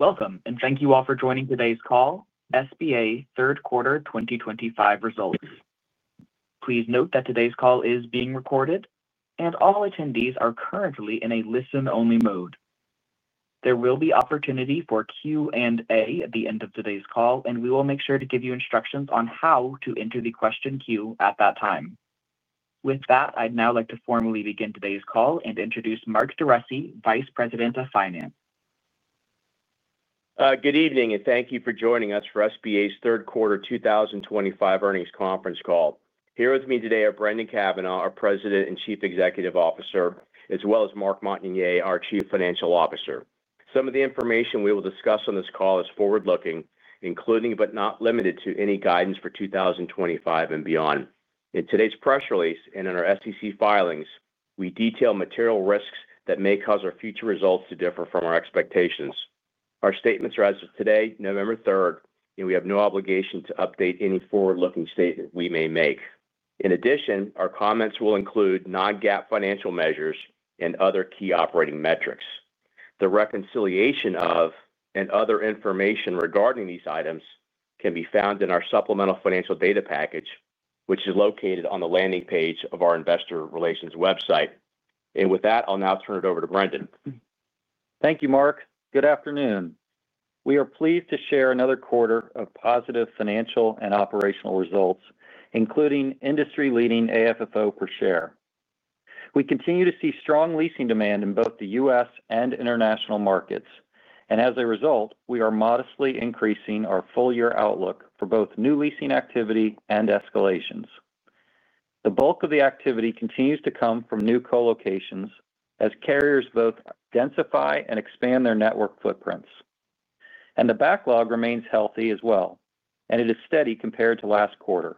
Welcome, and thank you all for joining today's call, SBA Third Quarter 2025 results. Please note that today's call is being recorded, and all attendees are currently in a listen-only mode. There will be opportunity for Q&A at the end of today's call, and we will make sure to give you instructions on how to enter the question queue at that time. With that, I'd now like to formally begin today's call and introduce Mark DeRussy, Vice President of Finance. Good evening, and thank you for joining us for SBA's third quarter 2025 earnings conference call. Here with me today are Brendan Cavanagh, our President and Chief Executive Officer, as well as Marc Montagner, our Chief Financial Officer. Some of the information we will discuss on this call is forward-looking, including but not limited to any guidance for 2025 and beyond. In today's press release and in our SEC filings, we detail material risks that may cause our future results to differ from our expectations. Our statements are as of today, November 3, and we have no obligation to update any forward-looking statement we may make. In addition, our comments will include non-GAAP financial measures and other key operating metrics. The reconciliation of and other information regarding these items can be found in our Supplemental Financial Data Package, which is located on the landing page of our Investor Relations website. With that, I'll now turn it over to Brendan. Thank you, Marc. Good afternoon. We are pleased to share another quarter of positive financial and operational results, including industry-leading AFFO per share. We continue to see strong leasing demand in both the U.S. and international markets, and as a result, we are modestly increasing our full-year outlook for both new leasing activity and escalations. The bulk of the activity continues to come from new colocations as carriers both densify and expand their network footprints. The backlog remains healthy as well, and it is steady compared to last quarter.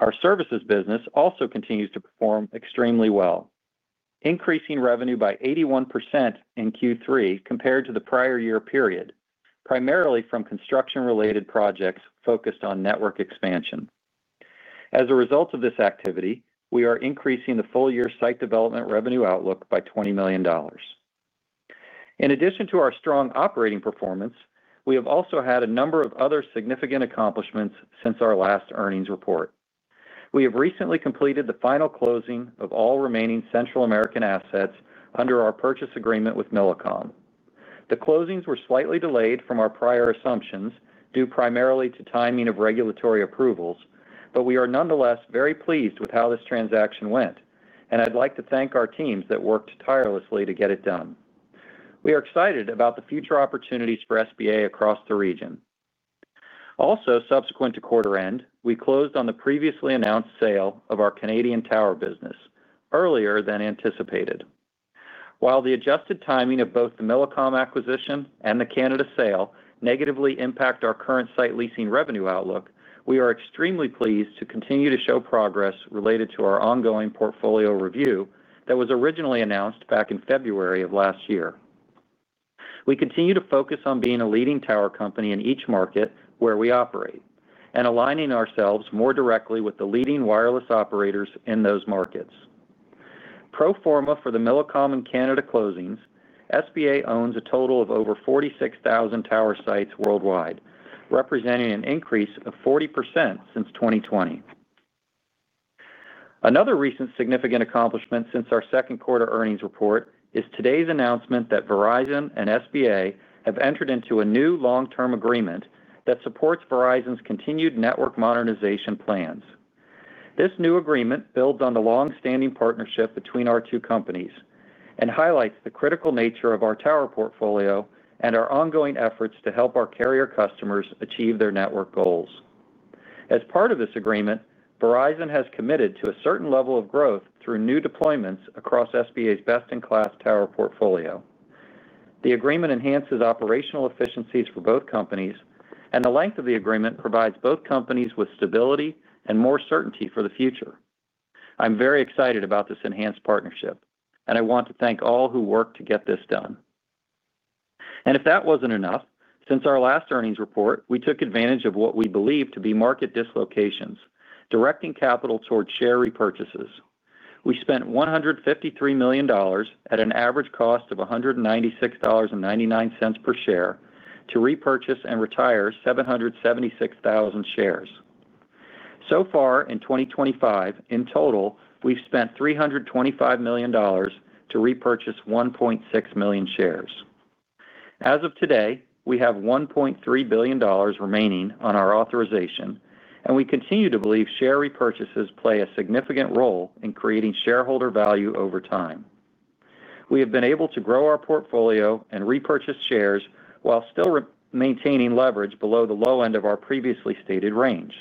Our services business also continues to perform extremely well, increasing revenue by 81% in Q3 compared to the prior year period, primarily from construction-related projects focused on network expansion. As a result of this activity, we are increasing the full-year site development revenue outlook by $20 million. In addition to our strong operating performance, we have also had a number of other significant accomplishments since our last earnings report. We have recently completed the final closing of all remaining Central American assets under our purchase agreement with Millicom. The closings were slightly delayed from our prior assumptions due primarily to timing of regulatory approvals, but we are nonetheless very pleased with how this transaction went, and I'd like to thank our teams that worked tirelessly to get it done. We are excited about the future opportunities for SBA across the region. Also, subsequent to quarter-end, we closed on the previously announced sale of our Canadian tower business earlier than anticipated. While the adjusted timing of both the Millicom acquisition and the Canada sale negatively impact our current site leasing revenue outlook, we are extremely pleased to continue to show progress related to our ongoing portfolio review that was originally announced back in February of last year. We continue to focus on being a leading tower company in each market where we operate and aligning ourselves more directly with the leading wireless operators in those markets. Pro forma for the Millicom and Canada closings, SBA owns a total of over 46,000 tower sites worldwide, representing an increase of 40% since 2020. Another recent significant accomplishment since our second quarter earnings report is today's announcement that Verizon and SBA have entered into a new long-term agreement that supports Verizon's continued network modernization plans. This new agreement builds on the long-standing partnership between our two companies and highlights the critical nature of our tower portfolio and our ongoing efforts to help our carrier customers achieve their network goals. As part of this agreement, Verizon has committed to a certain level of growth through new deployments across SBA's best-in-class tower portfolio. The agreement enhances operational efficiencies for both companies, and the length of the agreement provides both companies with stability and more certainty for the future. I'm very excited about this enhanced partnership, and I want to thank all who worked to get this done. If that was not enough, since our last earnings report, we took advantage of what we believe to be market dislocations, directing capital toward share repurchases. We spent $153 million at an average cost of $196.99 per share to repurchase and retire 776,000 shares. So far in 2025, in total, we have spent $325 million to repurchase 1.6 million shares. As of today, we have $1.3 billion remaining on our authorization, and we continue to believe share repurchases play a significant role in creating shareholder value over time. We have been able to grow our portfolio and repurchase shares while still maintaining leverage below the low end of our previously stated range.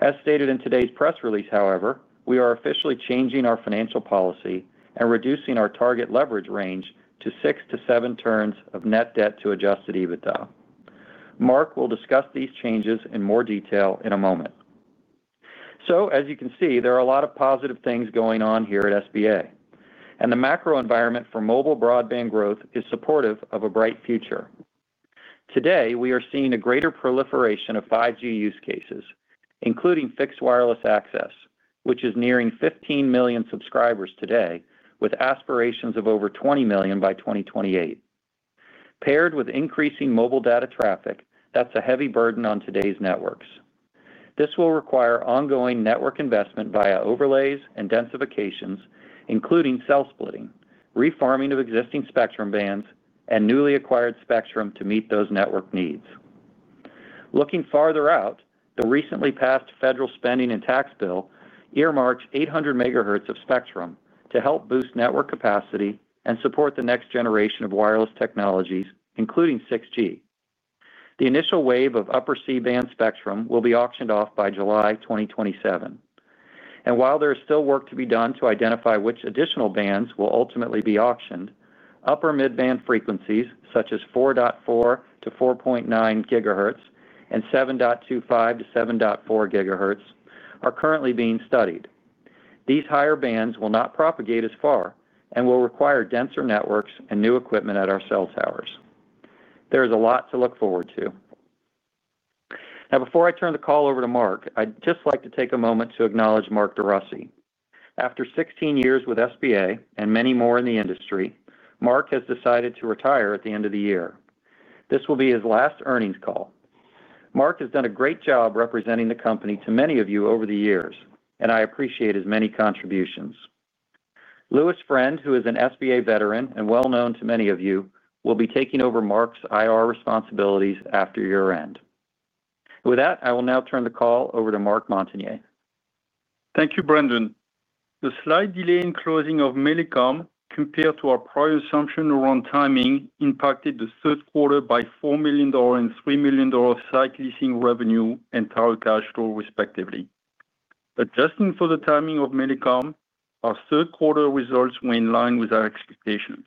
As stated in today's press release, however, we are officially changing our financial policy and reducing our target leverage range to six to seven turns of net debt to adjusted EBITDA. Marc will discuss these changes in more detail in a moment. As you can see, there are a lot of positive things going on here at SBA, and the macro environment for mobile broadband growth is supportive of a bright future. Today, we are seeing a greater proliferation of 5G use cases, including fixed wireless access, which is nearing 15 million subscribers today, with aspirations of over 20 million by 2028. Paired with increasing mobile data traffic, that is a heavy burden on today's networks. This will require ongoing network investment via overlays and densifications, including cell splitting, reforming of existing spectrum bands, and newly acquired spectrum to meet those network needs. Looking farther out, the recently passed federal spending and tax bill earmarks 800 MHz of spectrum to help boost network capacity and support the next generation of wireless technologies, including 6G. The initial wave of upper C-band spectrum will be auctioned off by July 2027. While there is still work to be done to identify which additional bands will ultimately be auctioned, upper mid-band frequencies such as 4.4-4.9 GHz and 7.25-7.4 GHz are currently being studied. These higher bands will not propagate as far and will require denser networks and new equipment at our cell towers. There is a lot to look forward to. Before I turn the call over to Marc, I would just like to take a moment to acknowledge Mark DeRussy. After 16 years with SBA and many more in the industry, Mark has decided to retire at the end of the year. This will be his last earnings call. Mark has done a great job representing the company to many of you over the years, and I appreciate his many contributions. Louis Friend, who is an SBA veteran and well-known to many of you, will be taking over Mark's IR responsibilities after year-end. With that, I will now turn the call over to Marc Montagner. Thank you, Brendan. The slight delay in closing of Millicom, compared to our prior assumption around timing, impacted the third quarter by $4 million and $3 million site leasing revenue and tower cash flow, respectively. Adjusting for the timing of Millicom, our third-quarter results were in line with our expectations.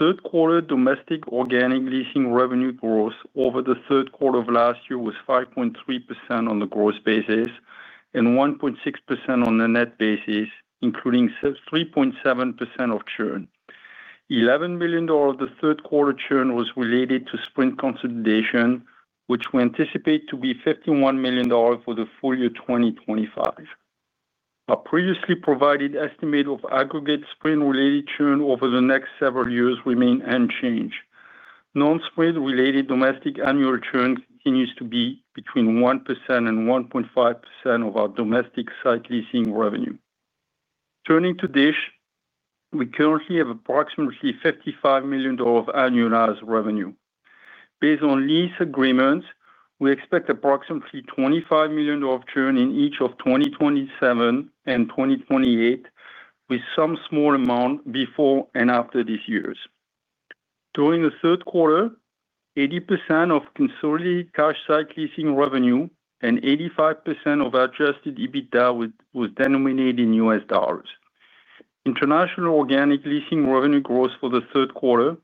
Third-quarter domestic organic leasing revenue growth over the third quarter of last year was 5.3% on the gross basis and 1.6% on the net basis, including 3.7% of churn. $11 million of the third-quarter churn was related to Sprint consolidation, which we anticipate to be $51 million for the full year 2025. Our previously provided estimate of aggregate Sprint-related churn over the next several years remains unchanged. Non-Sprint-related domestic annual churn continues to be between 1% and 1.5% of our domestic site leasing revenue. Turning to DISH, we currently have approximately $55 million of annualized revenue. Based on lease agreements, we expect approximately $25 million of churn in each of 2027 and 2028, with some small amount before and after these years. During the third quarter, 80% of consolidated cash site leasing revenue and 85% of adjusted EBITDA was denominated in U.S. dollars. International organic leasing revenue growth for the third quarter,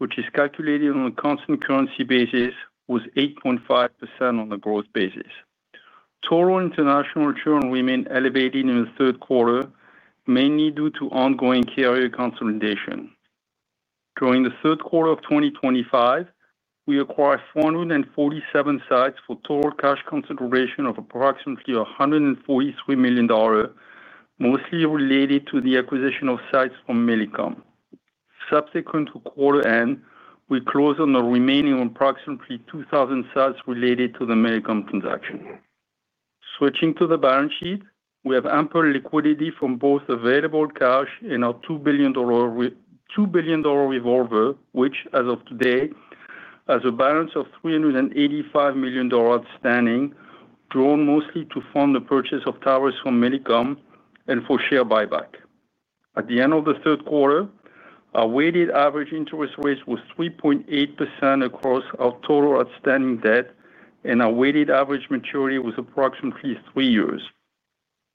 which is calculated on a constant currency basis, was 8.5% on the gross basis. Total international churn remained elevated in the third quarter, mainly due to ongoing carrier consolidation. During the third quarter of 2025, we acquired 447 sites for total cash consideration of approximately $143 million. Mostly related to the acquisition of sites from Millicom. Subsequent to quarter-end, we closed on the remaining approximately 2,000 sites related to the Millicom transaction. Switching to the balance sheet, we have ample liquidity from both available cash and our $2 billion revolver, which, as of today, has a balance of $385 million outstanding, drawn mostly to fund the purchase of towers from Millicom and for share buyback. At the end of the third quarter, our weighted average interest rate was 3.8% across our total outstanding debt, and our weighted average maturity was approximately three years.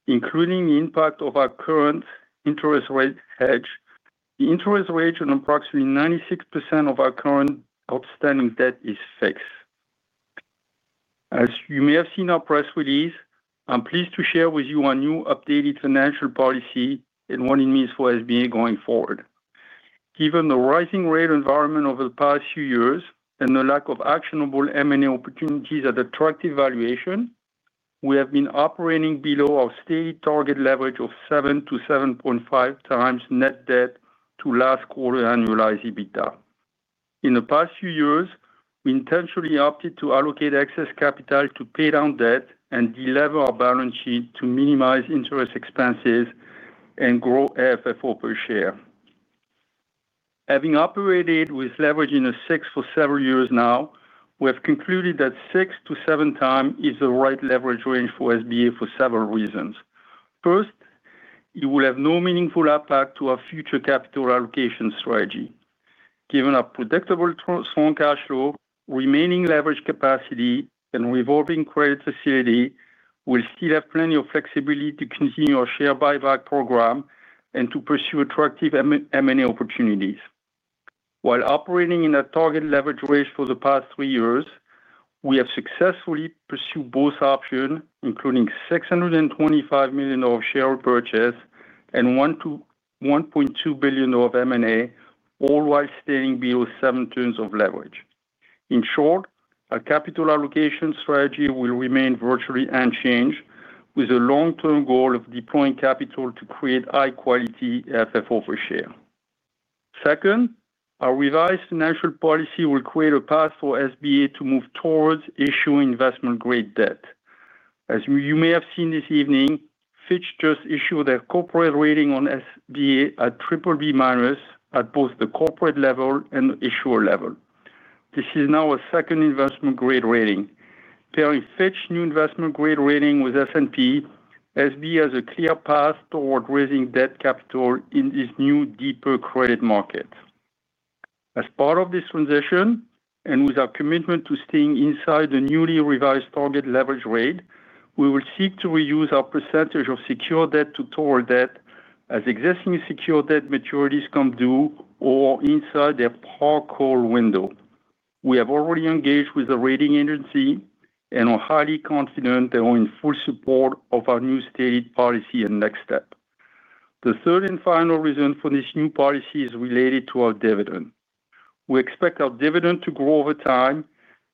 Including the impact of our current interest rate hedge, the interest rate on approximately 96% of our current outstanding debt is fixed. As you may have seen our press release, I'm pleased to share with you our new updated financial policy and what it means for SBA going forward. Given the rising rate environment over the past few years and the lack of actionable M&A opportunities at attractive valuation, we have been operating below our stated target leverage of 7-7.5 times net debt to last quarter annualized EBITDA. In the past few years, we intentionally opted to allocate excess capital to pay down debt and delever our balance sheet to minimize interest expenses and grow AFFO per share. Having operated with leverage in the six for several years now, we have concluded that six to seven times is the right leverage range for SBA for several reasons. First. It will have no meaningful impact to our future capital allocation strategy. Given our predictable strong cash flow, remaining leverage capacity, and revolving credit facility, we'll still have plenty of flexibility to continue our share buyback program and to pursue attractive M&A opportunities. While operating in a target leverage range for the past three years, we have successfully pursued both options, including $625 million of share repurchase and $1.2 billion of M&A, all while staying below seven turns of leverage. In short, our capital allocation strategy will remain virtually unchanged, with a long-term goal of deploying capital to create high-quality AFFO per share. Second, our revised financial policy will create a path for SBA to move towards issuing investment-grade debt. As you may have seen this evening, Fitch just issued their corporate rating on SBA at BBB minus at both the corporate level and the issuer level. This is now a second investment-grade rating. Pairing Fitch's new investment-grade rating with S&P, SBA has a clear path toward raising debt capital in this new deeper credit market. As part of this transition and with our commitment to staying inside the newly revised target leverage rate, we will seek to reuse our percentage of secure debt to tower debt as existing secure debt maturities come due or inside their parcour window. We have already engaged with the rating agency and are highly confident they are in full support of our new stated policy and next step. The third and final reason for this new policy is related to our dividend. We expect our dividend to grow over time,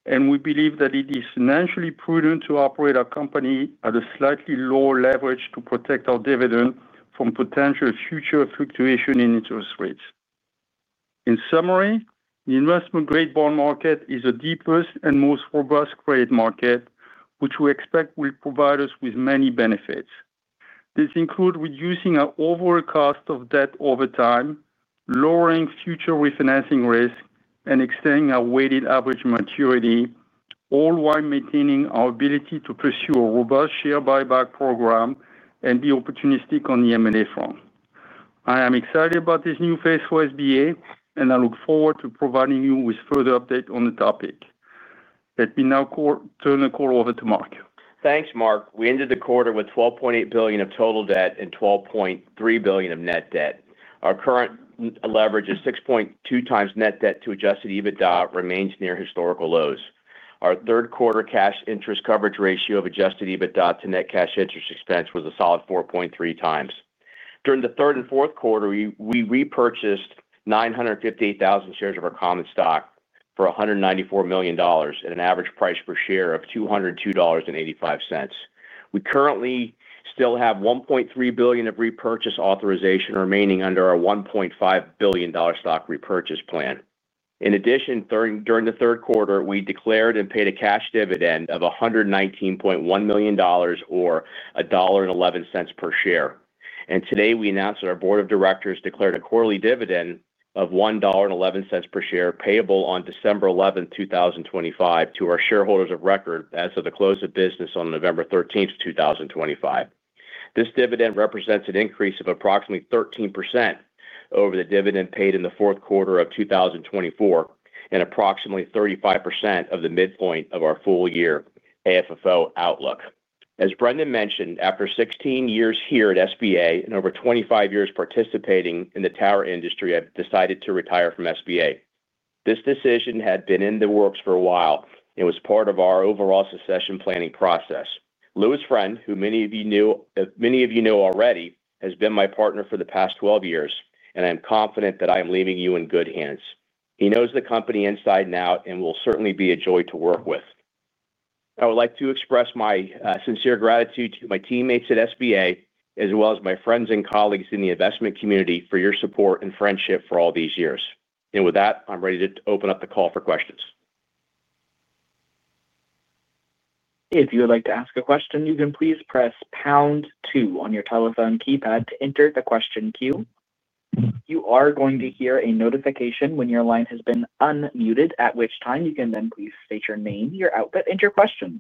and we believe that it is financially prudent to operate our company at a slightly lower leverage to protect our dividend from potential future fluctuation in interest rates. In summary, the investment-grade bond market is the deepest and most robust credit market, which we expect will provide us with many benefits. This includes reducing our overall cost of debt over time, lowering future refinancing risk, and extending our weighted average maturity, all while maintaining our ability to pursue a robust share buyback program and be opportunistic on the M&A front. I am excited about this new phase for SBA, and I look forward to providing you with further updates on the topic. Let me now turn the call over to Mark. Thanks, Marc. We ended the quarter with $12.8 billion of total debt and $12.3 billion of net debt. Our current leverage is 6.2 times net debt to adjusted EBITDA remains near historical lows. Our third-quarter cash interest coverage ratio of adjusted EBITDA to net cash interest expense was a solid 4.3 times. During the third and fourth quarter, we repurchased 958,000 shares of our common stock for $194 million at an average price per share of $202.85. We currently still have $1.3 billion of repurchase authorization remaining under our $1.5 billion stock repurchase plan. In addition, during the third quarter, we declared and paid a cash dividend of $119.1 million, or $1.11 per share. Today, we announced that our board of directors declared a quarterly dividend of $1.11 per share payable on December 11, 2025, to our shareholders of record as of the close of business on November 13, 2025. This dividend represents an increase of approximately 13% over the dividend paid in the fourth quarter of 2024 and approximately 35% of the midpoint of our full year AFFO outlook. As Brendan mentioned, after 16 years here at SBA and over 25 years participating in the tower industry, I've decided to retire from SBA. This decision had been in the works for a while and was part of our overall succession planning process. Louis Friend, who many of you know already, has been my partner for the past 12 years, and I'm confident that I am leaving you in good hands. He knows the company inside and out and will certainly be a joy to work with. I would like to express my sincere gratitude to my teammates at SBA, as well as my friends and colleagues in the investment community for your support and friendship for all these years. With that, I'm ready to open up the call for questions. If you would like to ask a question, you can please press pound two on your telephone keypad to enter the question queue. You are going to hear a notification when your line has been unmuted, at which time you can then please state your name, your output, and your question.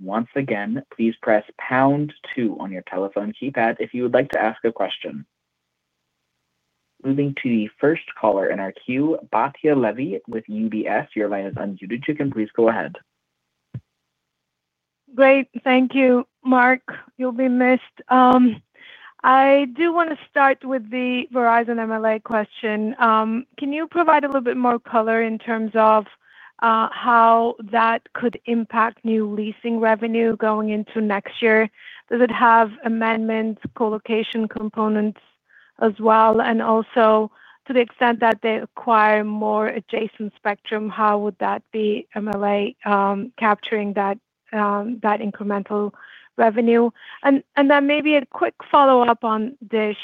Once again, please press pound two on your telephone keypad if you would like to ask a question. Moving to the first caller in our queue, Batya Levi with UBS. Your line is unmuted. You can please go ahead. Great. Thank you, Marc. You'll be missed. I do want to start with the Verizon MLA question. Can you provide a little bit more color in terms of how that could impact new leasing revenue going into next year? Does it have amendments, colocation components as well? Also, to the extent that they acquire more adjacent spectrum, how would that be MLA capturing that incremental revenue? Maybe a quick follow-up on DISH.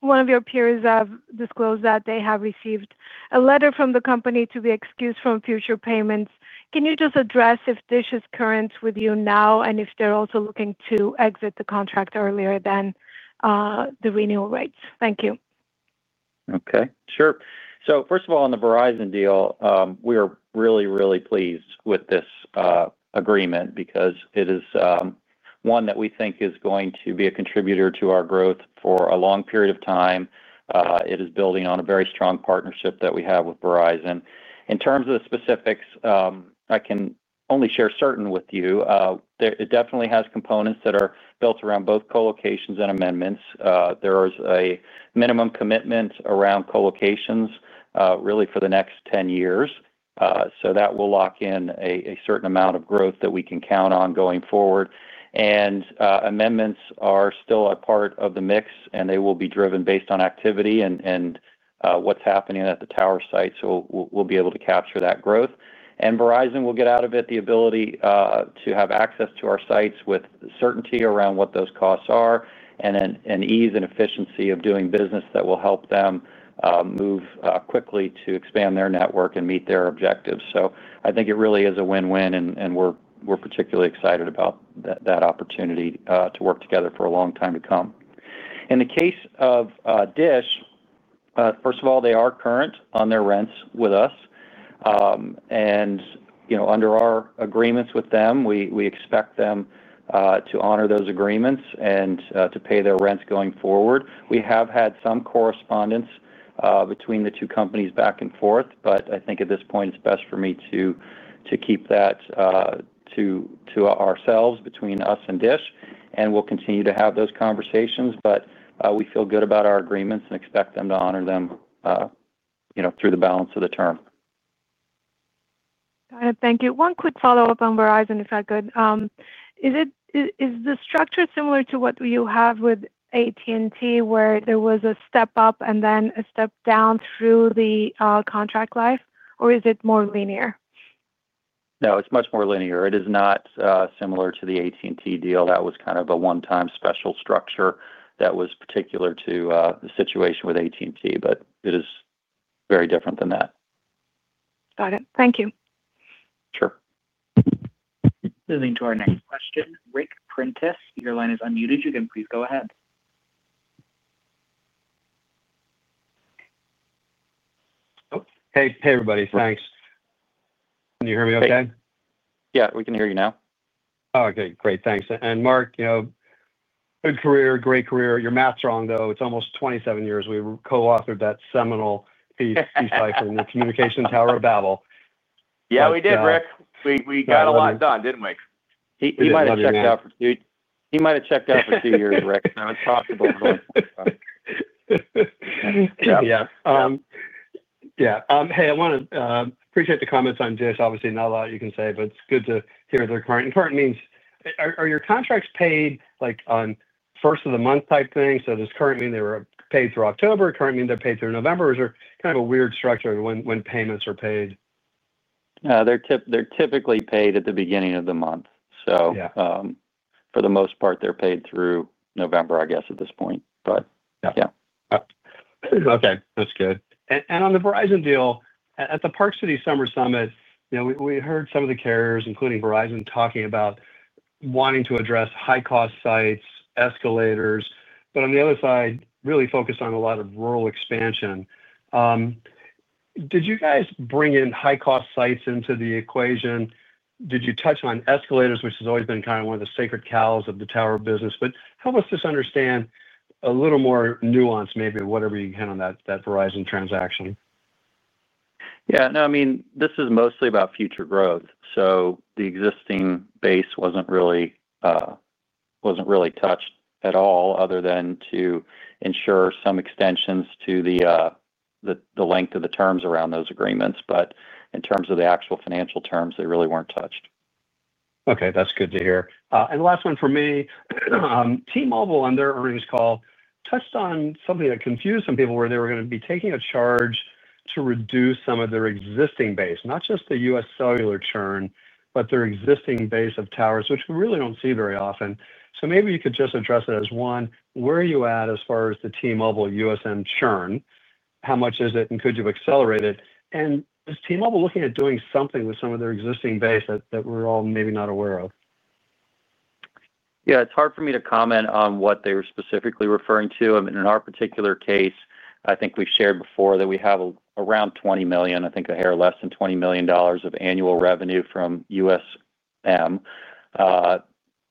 One of your peers has disclosed that they have received a letter from the company to be excused from future payments. Can you just address if DISH is current with you now and if they're also looking to exit the contract earlier than the renewal rates? Thank you. Okay. Sure. First of all, on the Verizon deal, we are really, really pleased with this agreement because it is one that we think is going to be a contributor to our growth for a long period of time. It is building on a very strong partnership that we have with Verizon. In terms of the specifics, I can only share certain with you. It definitely has components that are built around both colocations and amendments. There is a minimum commitment around colocations really for the next 10 years. That will lock in a certain amount of growth that we can count on going forward. Amendments are still a part of the mix, and they will be driven based on activity and what is happening at the tower site. We will be able to capture that growth. Verizon will get out of it the ability to have access to our sites with certainty around what those costs are and an ease and efficiency of doing business that will help them move quickly to expand their network and meet their objectives. I think it really is a win-win, and we are particularly excited about that opportunity to work together for a long time to come. In the case of DISH, first of all, they are current on their rents with us. Under our agreements with them, we expect them to honor those agreements and to pay their rents going forward. We have had some correspondence between the two companies back and forth, but I think at this point, it is best for me to keep that to ourselves, between us and DISH, and we will continue to have those conversations. We feel good about our agreements and expect them to honor them through the balance of the term. Got it. Thank you. One quick follow-up on Verizon, if I could. Is the structure similar to what you have with AT&T, where there was a step up and then a step down through the contract life, or is it more linear? No, it's much more linear. It is not similar to the AT&T deal. That was kind of a one-time special structure that was particular to the situation with AT&T, but it is very different than that. Got it. Thank you. Sure. Moving to our next question, Ric Prentiss. Your line is unmuted. You can please go ahead. Hey, everybody. Thanks. Can you hear me okay? Yeah, we can hear you now. Oh, okay. Great. Thanks. Marc, good career, great career. Your math's wrong, though. It's almost 27 years. We co-authored that seminal piece by from the communication tower of Babel. Yeah, we did, Ric. We got a lot done, didn't we? He might have checked out for two years, Ric. That's possible. Yeah. Yeah. Yeah. Hey, I want to appreciate the comments on DISH. Obviously, not a lot you can say, but it's good to hear the current. And current means, are your contracts paid on first of the month type thing? So does current mean they were paid through October, current mean they're paid through November? Is there kind of a weird structure when payments are paid? They're typically paid at the beginning of the month. For the most part, they're paid through November, I guess, at this point. But yeah. Okay. That's good. On the Verizon deal, at the Park City Summer Summit, we heard some of the carriers, including Verizon, talking about wanting to address high-cost sites, escalators. On the other side, really focused on a lot of rural expansion. Did you guys bring in high-cost sites into the equation? Did you touch on escalators, which has always been kind of one of the sacred cows of the tower business? Help us just understand a little more nuance, maybe, of whatever you had on that Verizon transaction. Yeah. No, I mean, this is mostly about future growth. So the existing base wasn't really touched at all other than to ensure some extensions to the length of the terms around those agreements. In terms of the actual financial terms, they really weren't touched. Okay. That's good to hear. The last one for me. T-Mobile, on their earnings call, touched on something that confused some people, where they were going to be taking a charge to reduce some of their existing base, not just the U.S. cellular churn, but their existing base of towers, which we really do not see very often. Maybe you could just address it as one, where are you at as far as the T-Mobile U.S.M. churn? How much is it, and could you accelerate it? Is T-Mobile looking at doing something with some of their existing base that we are all maybe not aware of? Yeah. It's hard for me to comment on what they were specifically referring to. In our particular case, I think we shared before that we have around $20 million, I think a hair less than $20 million of annual revenue from USM.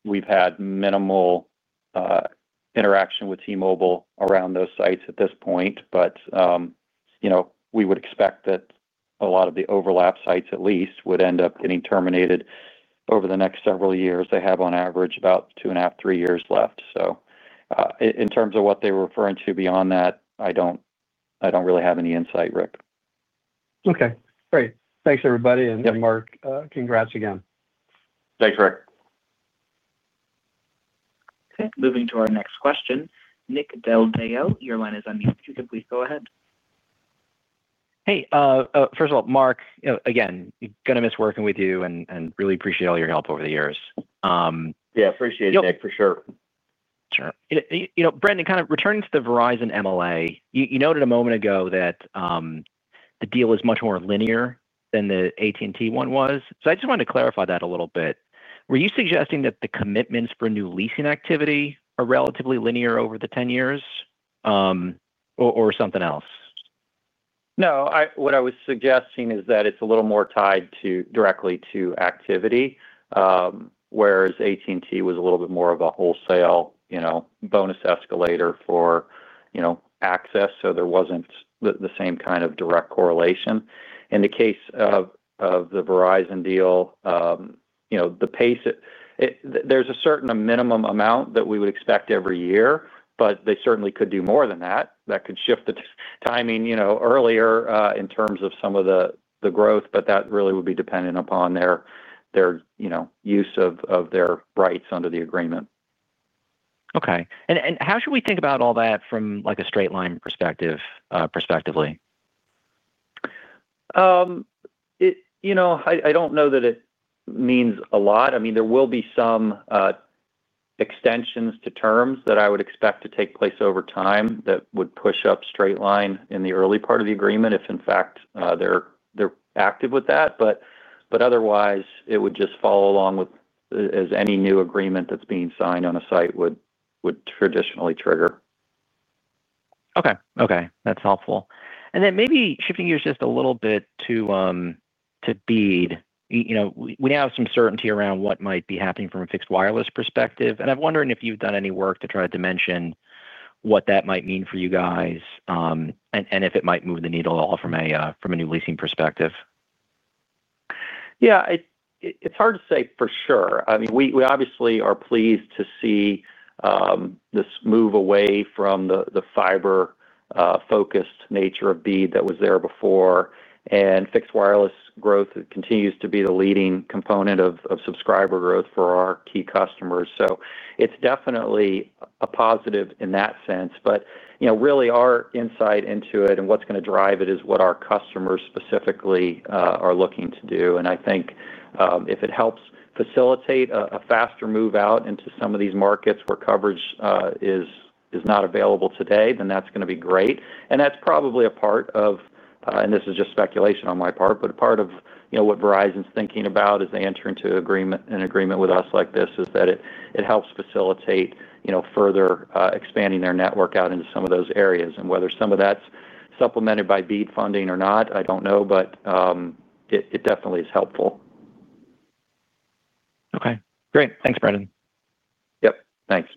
We've had minimal interaction with T-Mobile around those sites at this point, but we would expect that a lot of the overlap sites, at least, would end up getting terminated over the next several years. They have, on average, about two and a half, three years left. In terms of what they were referring to beyond that, I don't really have any insight, Ric. Okay. Great. Thanks, everybody. And Mark, congrats again. Thanks, Ric. Okay. Moving to our next question, Nick Del Deo. Your line is unmuted. You can please go ahead. Hey. First of all, Mark, again, going to miss working with you and really appreciate all your help over the years. Yeah. Appreciate it, Nick, for sure. Sure. Brendan, kind of returning to the Verizon MLA, you noted a moment ago that the deal is much more linear than the AT&T one was. I just wanted to clarify that a little bit. Were you suggesting that the commitments for new leasing activity are relatively linear over the 10 years, or something else? No. What I was suggesting is that it's a little more tied directly to activity. Whereas AT&T was a little bit more of a wholesale bonus escalator for access. So there wasn't the same kind of direct correlation. In the case of the Verizon deal, the pace, there's a certain minimum amount that we would expect every year, but they certainly could do more than that. That could shift the timing earlier in terms of some of the growth, but that really would be dependent upon their use of their rights under the agreement. Okay. How should we think about all that from a straight-line perspective? I don't know that it means a lot. I mean, there will be some extensions to terms that I would expect to take place over time that would push up straight line in the early part of the agreement if, in fact, they're active with that. Otherwise, it would just follow along with, as any new agreement that's being signed on a site would traditionally trigger. Okay. Okay. That's helpful. Maybe shifting gears just a little bit to BEAD. We now have some certainty around what might be happening from a fixed wireless perspective. I'm wondering if you've done any work to try to mention what that might mean for you guys, and if it might move the needle at all from a new leasing perspective. Yeah. It's hard to say for sure. I mean, we obviously are pleased to see this move away from the fiber-focused nature of BEAD that was there before. And fixed wireless growth continues to be the leading component of subscriber growth for our key customers. So it's definitely a positive in that sense. But really, our insight into it and what's going to drive it is what our customers specifically are looking to do. I think if it helps facilitate a faster move out into some of these markets where coverage is not available today, then that's going to be great. That's probably a part of—and this is just speculation on my part—a part of what Verizon's thinking about as they enter into an agreement with us like this is that it helps facilitate further expanding their network out into some of those areas. Whether some of that's supplemented by BEAD funding or not, I don't know, but it definitely is helpful. Okay. Great. Thanks, Brendan. Yep. Thanks.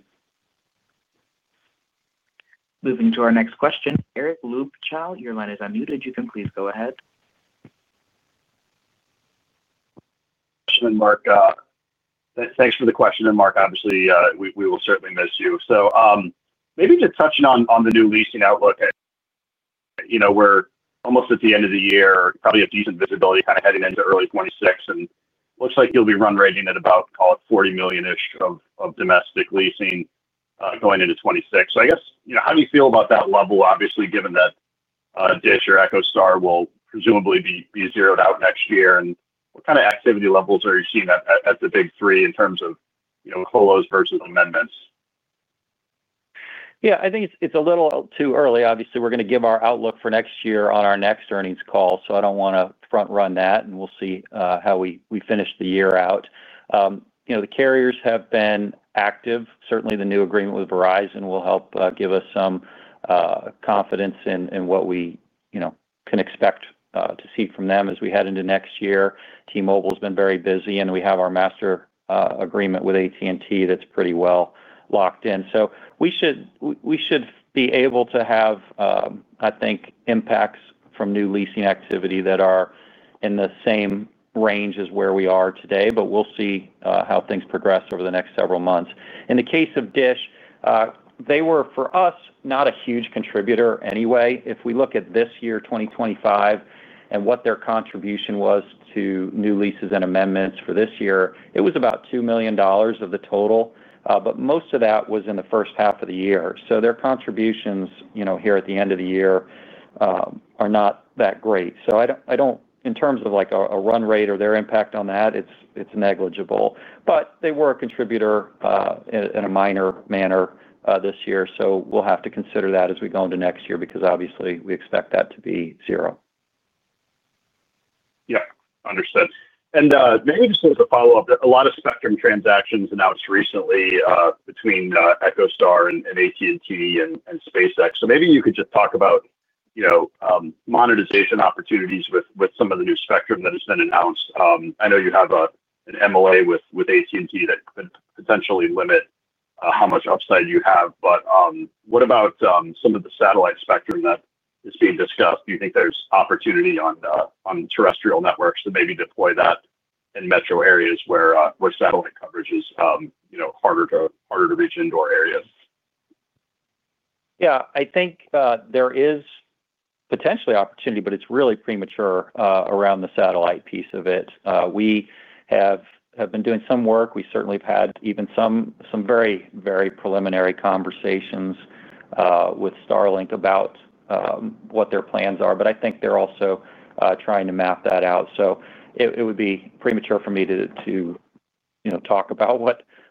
Moving to our next question, Eric Luebchow. Your line is unmuted. You can please go ahead. Question and Mark. Thanks for the question. And Mark, obviously, we will certainly miss you. Maybe just touching on the new leasing outlook. We're almost at the end of the year, probably a decent visibility kind of heading into early 2026. It looks like you'll be run rating at about, call it, $40 million-ish of domestic leasing going into 2026. I guess, how do you feel about that level, obviously, given that DISH or EchoStar will presumably be zeroed out next year? What kind of activity levels are you seeing at the big three in terms of colos versus amendments? Yeah. I think it's a little too early. Obviously, we're going to give our outlook for next year on our next earnings call. I don't want to front-run that. We'll see how we finish the year out. The carriers have been active. Certainly, the new agreement with Verizon will help give us some confidence in what we can expect to see from them as we head into next year. T-Mobile has been very busy, and we have our master agreement with AT&T that's pretty well locked in. We should be able to have, I think, impacts from new leasing activity that are in the same range as where we are today. We'll see how things progress over the next several months. In the case of DISH, they were, for us, not a huge contributor anyway. If we look at this year, 2025, and what their contribution was to new leases and amendments for this year, it was about $2 million of the total. Most of that was in the first half of the year. Their contributions here at the end of the year are not that great. In terms of a run rate or their impact on that, it's negligible. They were a contributor in a minor manner this year. We'll have to consider that as we go into next year because, obviously, we expect that to be zero. Yeah. Understood. Maybe just as a follow-up, a lot of spectrum transactions announced recently between EchoStar and AT&T and SpaceX. Maybe you could just talk about monetization opportunities with some of the new spectrum that has been announced. I know you have an MLA with AT&T that could potentially limit how much upside you have. What about some of the satellite spectrum that is being discussed? Do you think there's opportunity on terrestrial networks to maybe deploy that in metro areas where satellite coverage is harder to reach indoor areas? Yeah. I think there is potentially opportunity, but it's really premature around the satellite piece of it. We have been doing some work. We certainly have had even some very, very preliminary conversations with Starlink about what their plans are. But I think they're also trying to map that out. It would be premature for me to talk about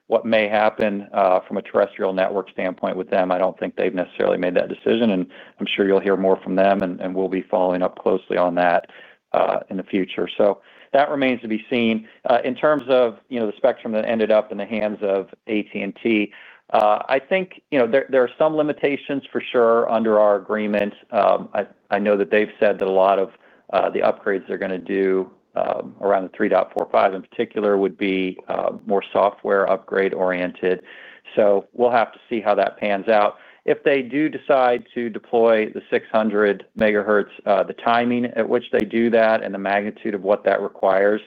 what may happen from a terrestrial network standpoint with them. I don't think they've necessarily made that decision. I'm sure you'll hear more from them, and we'll be following up closely on that in the future. That remains to be seen. In terms of the spectrum that ended up in the hands of AT&T, I think there are some limitations for sure under our agreement. I know that they've said that a lot of the upgrades they're going to do around the 3.45 in particular would be more software upgrade-oriented. We'll have to see how that pans out. If they do decide to deploy the 600 MHz, the timing at which they do that and the magnitude of what that requires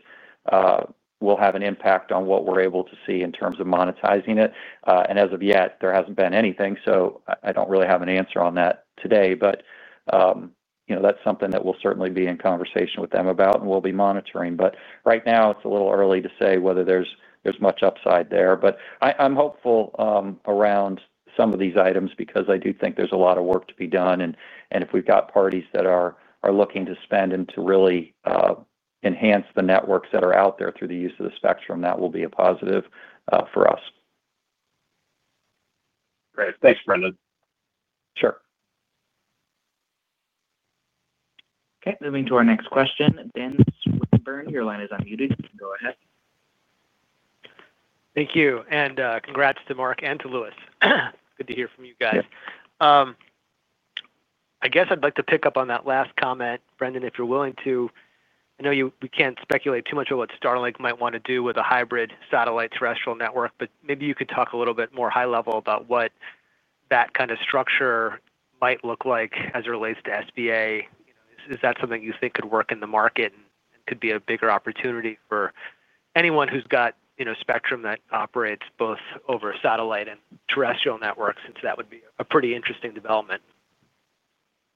will have an impact on what we're able to see in terms of monetizing it. As of yet, there hasn't been anything. I don't really have an answer on that today. That's something that we'll certainly be in conversation with them about, and we'll be monitoring. Right now, it's a little early to say whether there's much upside there. I'm hopeful around some of these items because I do think there's a lot of work to be done. If we've got parties that are looking to spend and to really enhance the networks that are out there through the use of the spectrum, that will be a positive for us. Great. Thanks, Brendan. Sure. Okay. Moving to our next question, Ben Swinburne. Your line is unmuted. You can go ahead. Thank you. And congrats to Marc and to Louis. Good to hear from you guys. I guess I'd like to pick up on that last comment. Brendan, if you're willing to, I know we can't speculate too much on what Starlink might want to do with a hybrid satellite terrestrial network, but maybe you could talk a little bit more high-level about what that kind of structure might look like as it relates to SBA. Is that something you think could work in the market and could be a bigger opportunity for anyone who's got spectrum that operates both over satellite and terrestrial networks? That would be a pretty interesting development.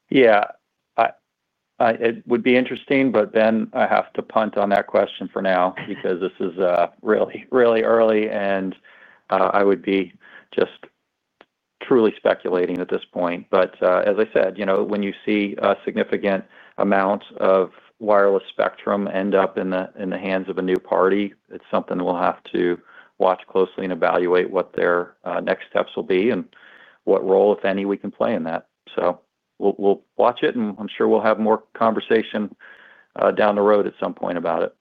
Yeah. It would be interesting, but then I have to punt on that question for now because this is really, really early, and I would be just truly speculating at this point. As I said, when you see a significant amount of wireless spectrum end up in the hands of a new party, it's something we'll have to watch closely and evaluate what their next steps will be and what role, if any, we can play in that. We'll watch it, and I'm sure we'll have more conversation down the road at some point about it.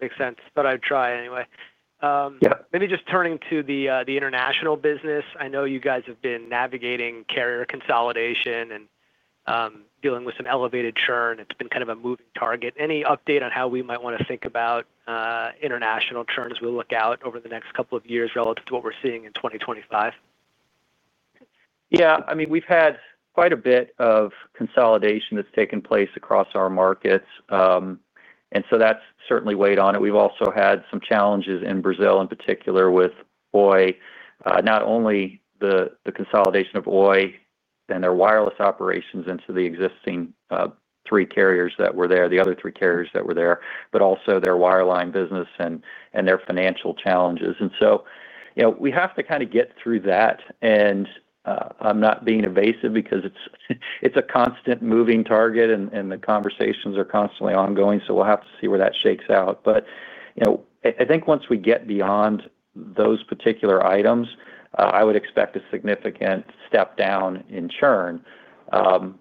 Makes sense. I'd try anyway. Maybe just turning to the international business. I know you guys have been navigating carrier consolidation and dealing with some elevated churn. It's been kind of a moving target. Any update on how we might want to think about international churn as we look out over the next couple of years relative to what we're seeing in 2025? Yeah. I mean, we've had quite a bit of consolidation that's taken place across our markets. That certainly weighed on it. We've also had some challenges in Brazil, in particular, with Oi, not only the consolidation of Oi and their wireless operations into the existing three carriers that were there, the other three carriers that were there, but also their wireline business and their financial challenges. We have to kind of get through that. I'm not being evasive because it's a constant moving target, and the conversations are constantly ongoing. We'll have to see where that shakes out. I think once we get beyond those particular items, I would expect a significant step down in churn.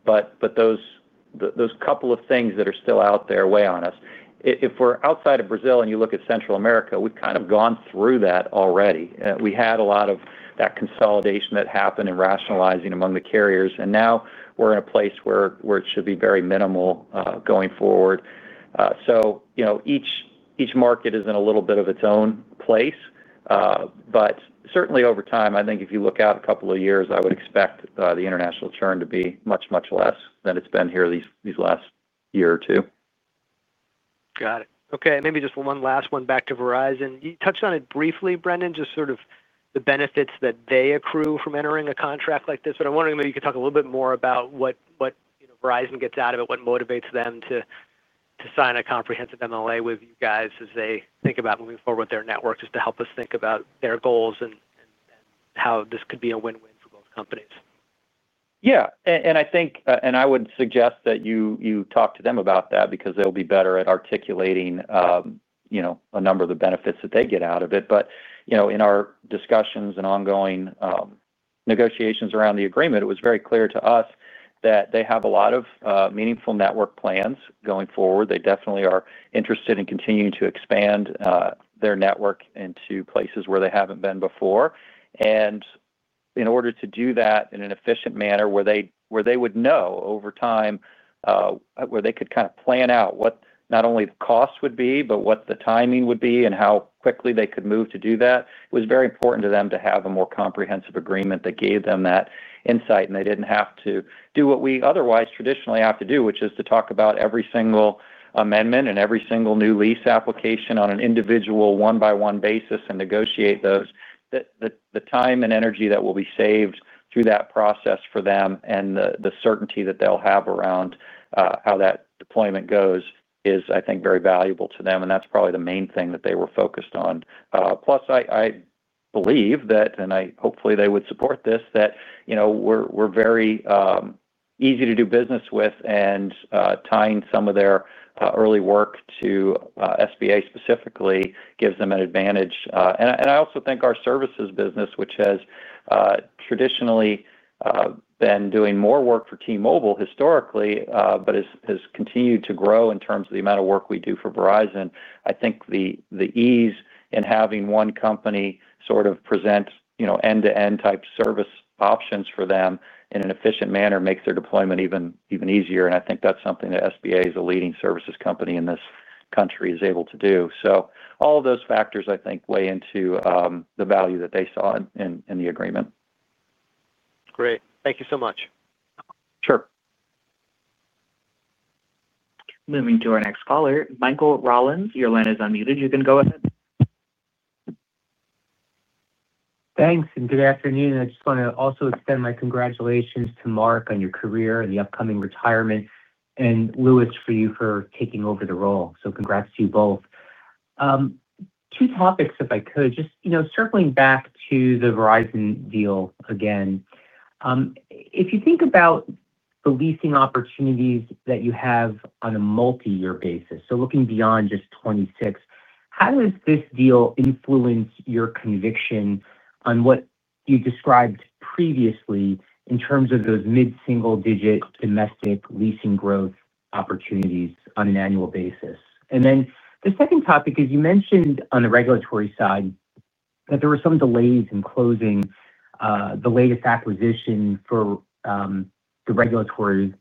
Those couple of things that are still out there weigh on us. If we're outside of Brazil and you look at Central America, we've kind of gone through that already. We had a lot of that consolidation that happened in rationalizing among the carriers. Now we're in a place where it should be very minimal going forward. Each market is in a little bit of its own place. Certainly, over time, I think if you look out a couple of years, I would expect the international churn to be much, much less than it's been here these last year or two. Got it. Okay. Maybe just one last one back to Verizon. You touched on it briefly, Brendan, just sort of the benefits that they accrue from entering a contract like this. I'm wondering if you could talk a little bit more about what Verizon gets out of it, what motivates them to sign a comprehensive MLA with you guys as they think about moving forward with their networks just to help us think about their goals and how this could be a win-win for both companies. Yeah. I think, and I would suggest that you talk to them about that because they'll be better at articulating a number of the benefits that they get out of it. In our discussions and ongoing negotiations around the agreement, it was very clear to us that they have a lot of meaningful network plans going forward. They definitely are interested in continuing to expand their network into places where they haven't been before. In order to do that in an efficient manner where they would know over time where they could kind of plan out what not only the cost would be, but what the timing would be and how quickly they could move to do that, it was very important to them to have a more comprehensive agreement that gave them that insight. They did not have to do what we otherwise traditionally have to do, which is to talk about every single amendment and every single new lease application on an individual one-by-one basis and negotiate those. The time and energy that will be saved through that process for them and the certainty that they'll have around how that deployment goes is, I think, very valuable to them. That is probably the main thing that they were focused on. Plus, I believe that, and hopefully they would support this, that we are very easy to do business with. Tying some of their early work to SBA specifically gives them an advantage. I also think our services business, which has traditionally been doing more work for T-Mobile historically but has continued to grow in terms of the amount of work we do for Verizon, I think the ease in having one company sort of present end-to-end type service options for them in an efficient manner makes their deployment even easier. I think that is something that SBA as a leading services company in this country is able to do. All of those factors, I think, weigh into the value that they saw in the agreement. Great. Thank you so much. Sure. Moving to our next caller, Michael Rollins. Your line is unmuted. You can go ahead. Thanks. Good afternoon. I just want to also extend my congratulations to Marc on your career and the upcoming retirement, and Louis for you for taking over the role. Congrats to you both. Two topics, if I could, just circling back to the Verizon deal again. If you think about the leasing opportunities that you have on a multi-year basis, looking beyond just 2026, how does this deal influence your conviction on what you described previously in terms of those mid-single-digit domestic leasing growth opportunities on an annual basis? The second topic is you mentioned on the regulatory side that there were some delays in closing the latest acquisition for regulatory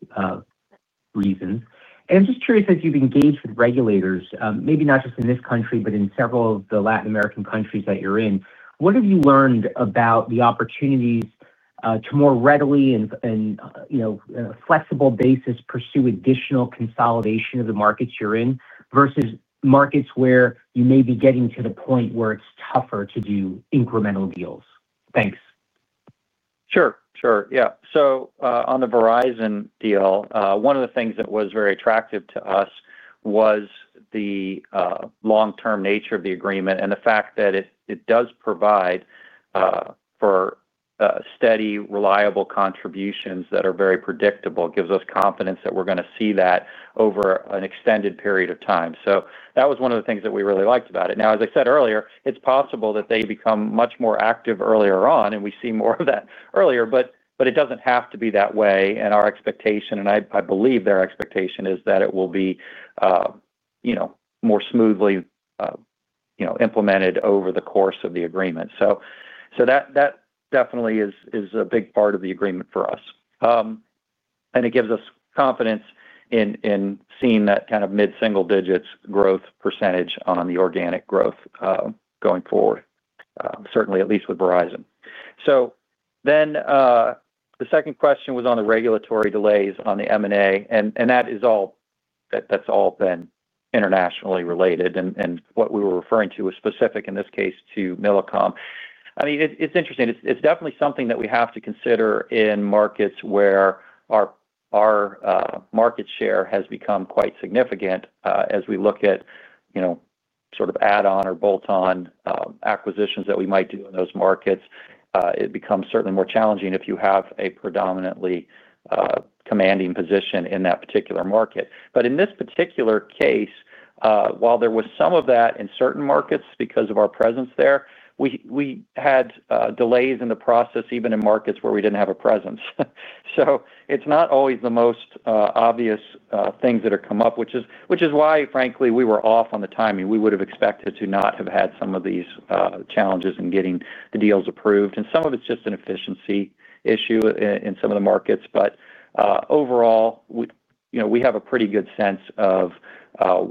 reasons. I'm just curious, as you've engaged with regulators, maybe not just in this country, but in several of the Latin American countries that you're in, what have you learned about the opportunities to more readily and in a flexible basis pursue additional consolidation of the markets you're in versus markets where you may be getting to the point where it's tougher to do incremental deals? Thanks. Sure. Yeah. On the Verizon deal, one of the things that was very attractive to us was the long-term nature of the agreement and the fact that it does provide for steady, reliable contributions that are very predictable, gives us confidence that we're going to see that over an extended period of time. That was one of the things that we really liked about it. Now, as I said earlier, it's possible that they become much more active earlier on, and we see more of that earlier. It doesn't have to be that way. Our expectation, and I believe their expectation, is that it will be more smoothly implemented over the course of the agreement. That definitely is a big part of the agreement for us. It gives us confidence in seeing that kind of mid-single-digit growth percentage on the organic growth going forward, certainly, at least with Verizon. The second question was on the regulatory delays on the M&A. That's all been internationally related. What we were referring to was specific, in this case, to Millicom. I mean, it's interesting. It's definitely something that we have to consider in markets where our market share has become quite significant as we look at sort of add-on or bolt-on acquisitions that we might do in those markets. It becomes certainly more challenging if you have a predominantly commanding position in that particular market. In this particular case, while there was some of that in certain markets because of our presence there, we had delays in the process, even in markets where we didn't have a presence. It's not always the most obvious things that have come up, which is why, frankly, we were off on the timing. We would have expected to not have had some of these challenges in getting the deals approved. Some of it's just an efficiency issue in some of the markets. Overall, we have a pretty good sense of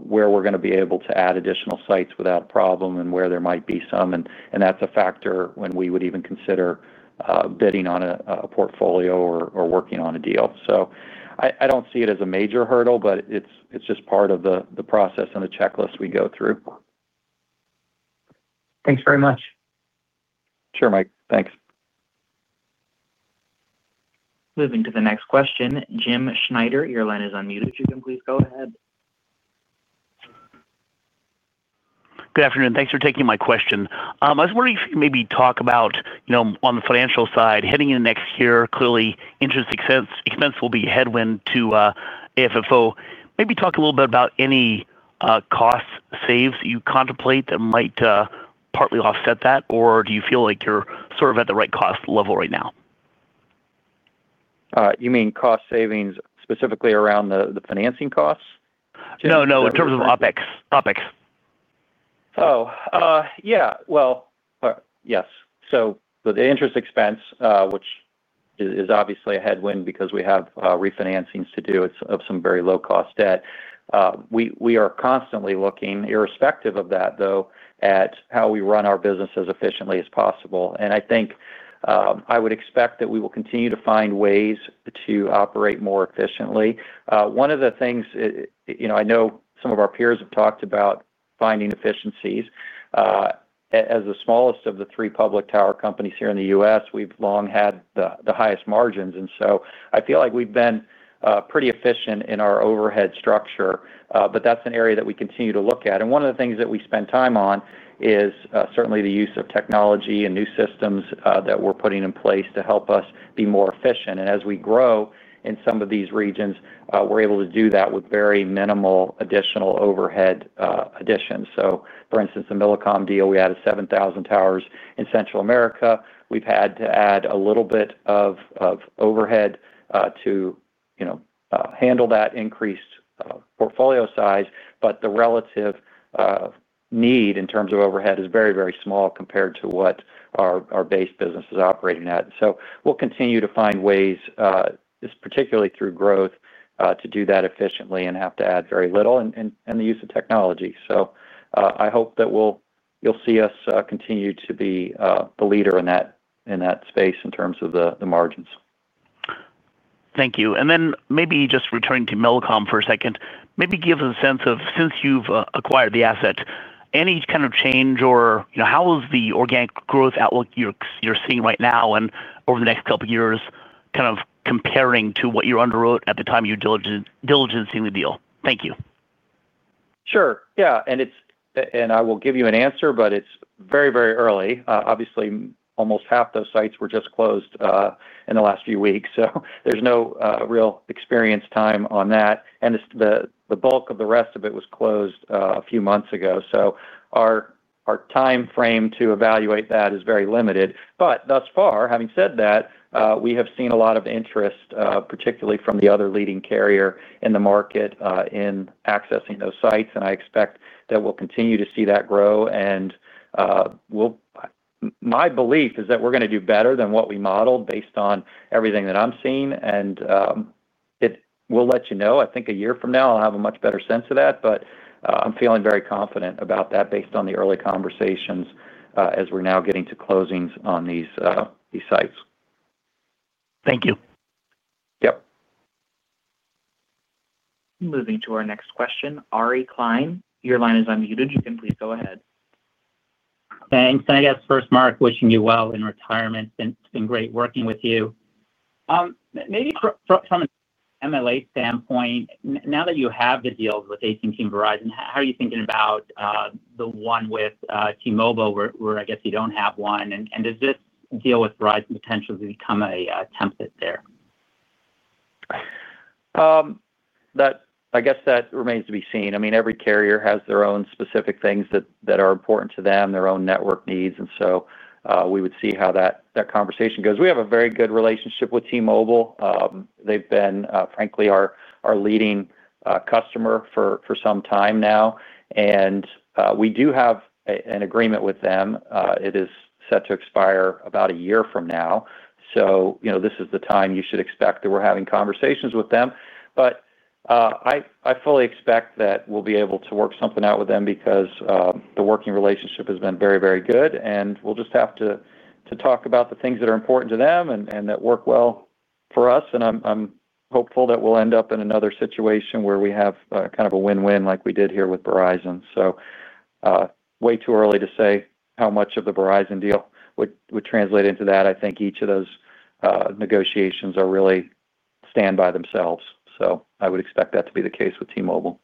where we're going to be able to add additional sites without a problem and where there might be some. That's a factor when we would even consider bidding on a portfolio or working on a deal. I don't see it as a major hurdle, but it's just part of the process and the checklist we go through. Thanks very much. Sure, Mike. Thanks. Moving to the next question, Jim Schneider, your line is unmuted. You can please go ahead. Good afternoon. Thanks for taking my question. I was wondering if you could maybe talk about, on the financial side, heading into next year, clearly, interest expense will be a headwind to AFFO. Maybe talk a little bit about any cost saves you contemplate that might partly offset that, or do you feel like you're sort of at the right cost level right now? You mean cost savings specifically around the financing costs? No, no, in terms of OpEx. OpEx. Oh, yeah. Yes. The interest expense, which is obviously a headwind because we have refinancings to do of some very low-cost debt. We are constantly looking, irrespective of that, at how we run our business as efficiently as possible. I think I would expect that we will continue to find ways to operate more efficiently. One of the things I know some of our peers have talked about is finding efficiencies. As the smallest of the three public tower companies here in the U.S., we've long had the highest margins. I feel like we've been pretty efficient in our overhead structure, but that's an area that we continue to look at. One of the things that we spend time on is certainly the use of technology and new systems that we're putting in place to help us be more efficient. As we grow in some of these regions, we're able to do that with very minimal additional overhead additions. For instance, the Millicom deal, we added 7,000 towers in Central America. We've had to add a little bit of overhead to handle that increased portfolio size, but the relative need in terms of overhead is very, very small compared to what our base business is operating at. We'll continue to find ways, particularly through growth, to do that efficiently and have to add very little and the use of technology. I hope that you'll see us continue to be the leader in that space in terms of the margins. Thank you. Maybe just returning to Millicom for a second, maybe give us a sense of, since you've acquired the asset, any kind of change or how is the organic growth outlook you're seeing right now and over the next couple of years kind of comparing to what you underwrote at the time you were diligencing the deal? Thank you. Sure. Yeah. I will give you an answer, but it's very, very early. Obviously, almost half those sites were just closed in the last few weeks. There is no real experience time on that. The bulk of the rest of it was closed a few months ago. Our timeframe to evaluate that is very limited. Thus far, having said that, we have seen a lot of interest, particularly from the other leading carrier in the market, in accessing those sites. I expect that we will continue to see that grow. My belief is that we are going to do better than what we modeled based on everything that I am seeing. We will let you know. I think a year from now, I will have a much better sense of that. I am feeling very confident about that based on the early conversations as we are now getting to closings on these sites. Thank you. Yep. Moving to our next question, Ari Klein. Your line is unmuted. You can please go ahead. Thanks. I guess first, Mark, wishing you well in retirement. It's been great working with you. Maybe from an MLA standpoint, now that you have the deals with AT&T and Verizon, how are you thinking about the one with T-Mobile, where I guess you don't have one? Does this deal with Verizon potentially become a template there? I guess that remains to be seen. I mean, every carrier has their own specific things that are important to them, their own network needs. We would see how that conversation goes. We have a very good relationship with T-Mobile. They've been, frankly, our leading customer for some time now. We do have an agreement with them. It is set to expire about a year from now. This is the time you should expect that we're having conversations with them. I fully expect that we'll be able to work something out with them because the working relationship has been very, very good. We'll just have to talk about the things that are important to them and that work well for us. I'm hopeful that we'll end up in another situation where we have kind of a win-win like we did here with Verizon. Way too early to say how much of the Verizon deal would translate into that. I think each of those negotiations really stand by themselves. I would expect that to be the case with T-Mobile.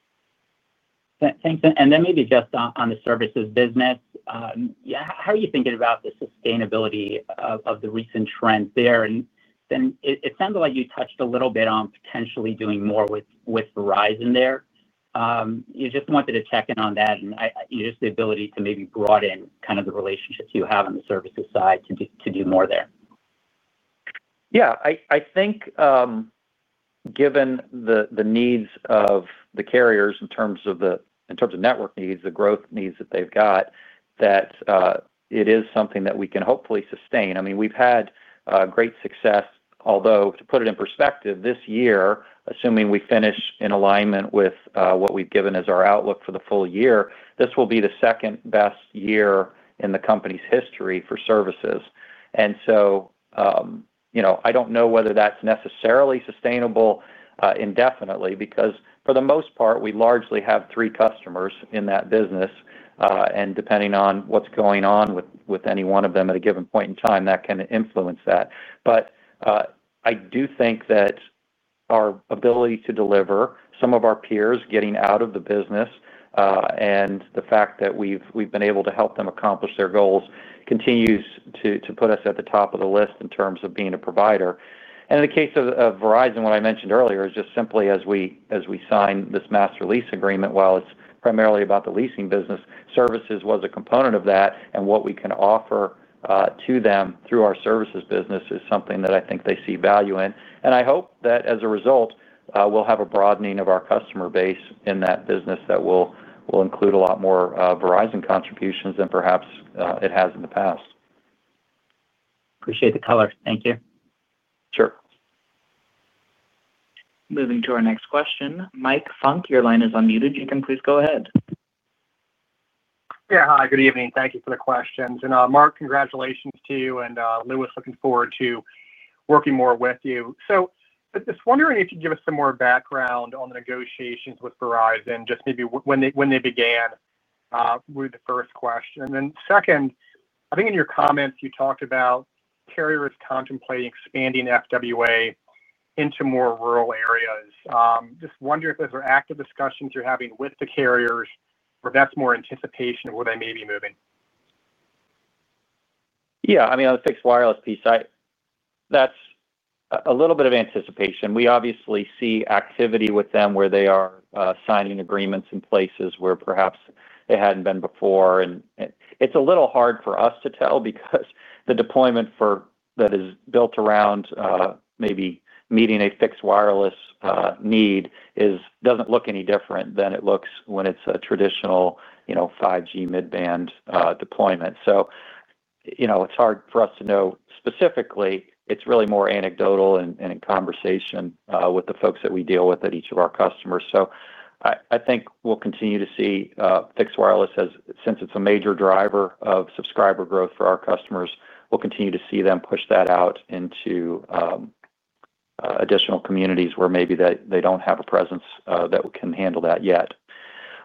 Thanks. Maybe just on the services business. How are you thinking about the sustainability of the recent trend there? It sounded like you touched a little bit on potentially doing more with Verizon there. I just wanted to check in on that and just the ability to maybe broaden kind of the relationships you have on the services side to do more there. Yeah. I think. Given the needs of the carriers in terms of the network needs, the growth needs that they've got, that. It is something that we can hopefully sustain. I mean, we've had great success, although to put it in perspective, this year, assuming we finish in alignment with what we've given as our outlook for the full year, this will be the second best year in the company's history for services. I don't know whether that's necessarily sustainable indefinitely, because for the most part, we largely have three customers in that business. Depending on what's going on with any one of them at a given point in time, that can influence that. I do think that our ability to deliver, some of our peers getting out of the business, and the fact that we've been able to help them accomplish their goals continues to put us at the top of the list in terms of being a provider. In the case of Verizon, what I mentioned earlier is just simply as we signed this master lease agreement, while it's primarily about the leasing business, services was a component of that. What we can offer to them through our services business is something that I think they see value in. I hope that as a result, we'll have a broadening of our customer base in that business that will include a lot more Verizon contributions than perhaps it has in the past. Appreciate the color. Thank you. Sure. Moving to our next question, Mike Funk, your line is unmuted. You can please go ahead. Yeah. Hi, good evening. Thank you for the questions. Mark, congratulations to you. Louis, looking forward to working more with you. Just wondering if you could give us some more background on the negotiations with Verizon, just maybe when they began. That would be the first question. Then, I think in your comments, you talked about carriers contemplating expanding FWA into more rural areas. Just wondering if those are active discussions you're having with the carriers, or if that's more anticipation of where they may be moving. Yeah. I mean, on the fixed wireless piece, that's a little bit of anticipation. We obviously see activity with them where they are signing agreements in places where perhaps they hadn't been before. It's a little hard for us to tell because the deployment that is built around maybe meeting a fixed wireless need doesn't look any different than it looks when it's a traditional 5G mid-band deployment. It's hard for us to know specifically. It's really more anecdotal and in conversation with the folks that we deal with at each of our customers. I think we'll continue to see fixed wireless, since it's a major driver of subscriber growth for our customers, we'll continue to see them push that out into additional communities where maybe they don't have a presence that can handle that yet.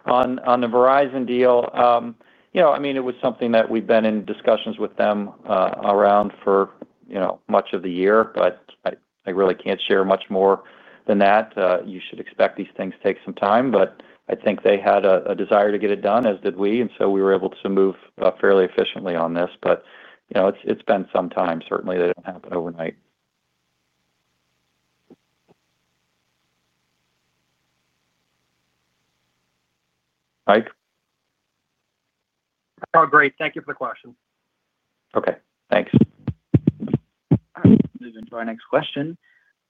On the Verizon deal, I mean, it was something that we've been in discussions with them around for much of the year, but I really can't share much more than that. You should expect these things to take some time. I think they had a desire to get it done, as did we. We were able to move fairly efficiently on this. It's been some time. Certainly, they don't happen overnight. Mike? Oh, great. Thank you for the question. Okay. Thanks. Moving to our next question.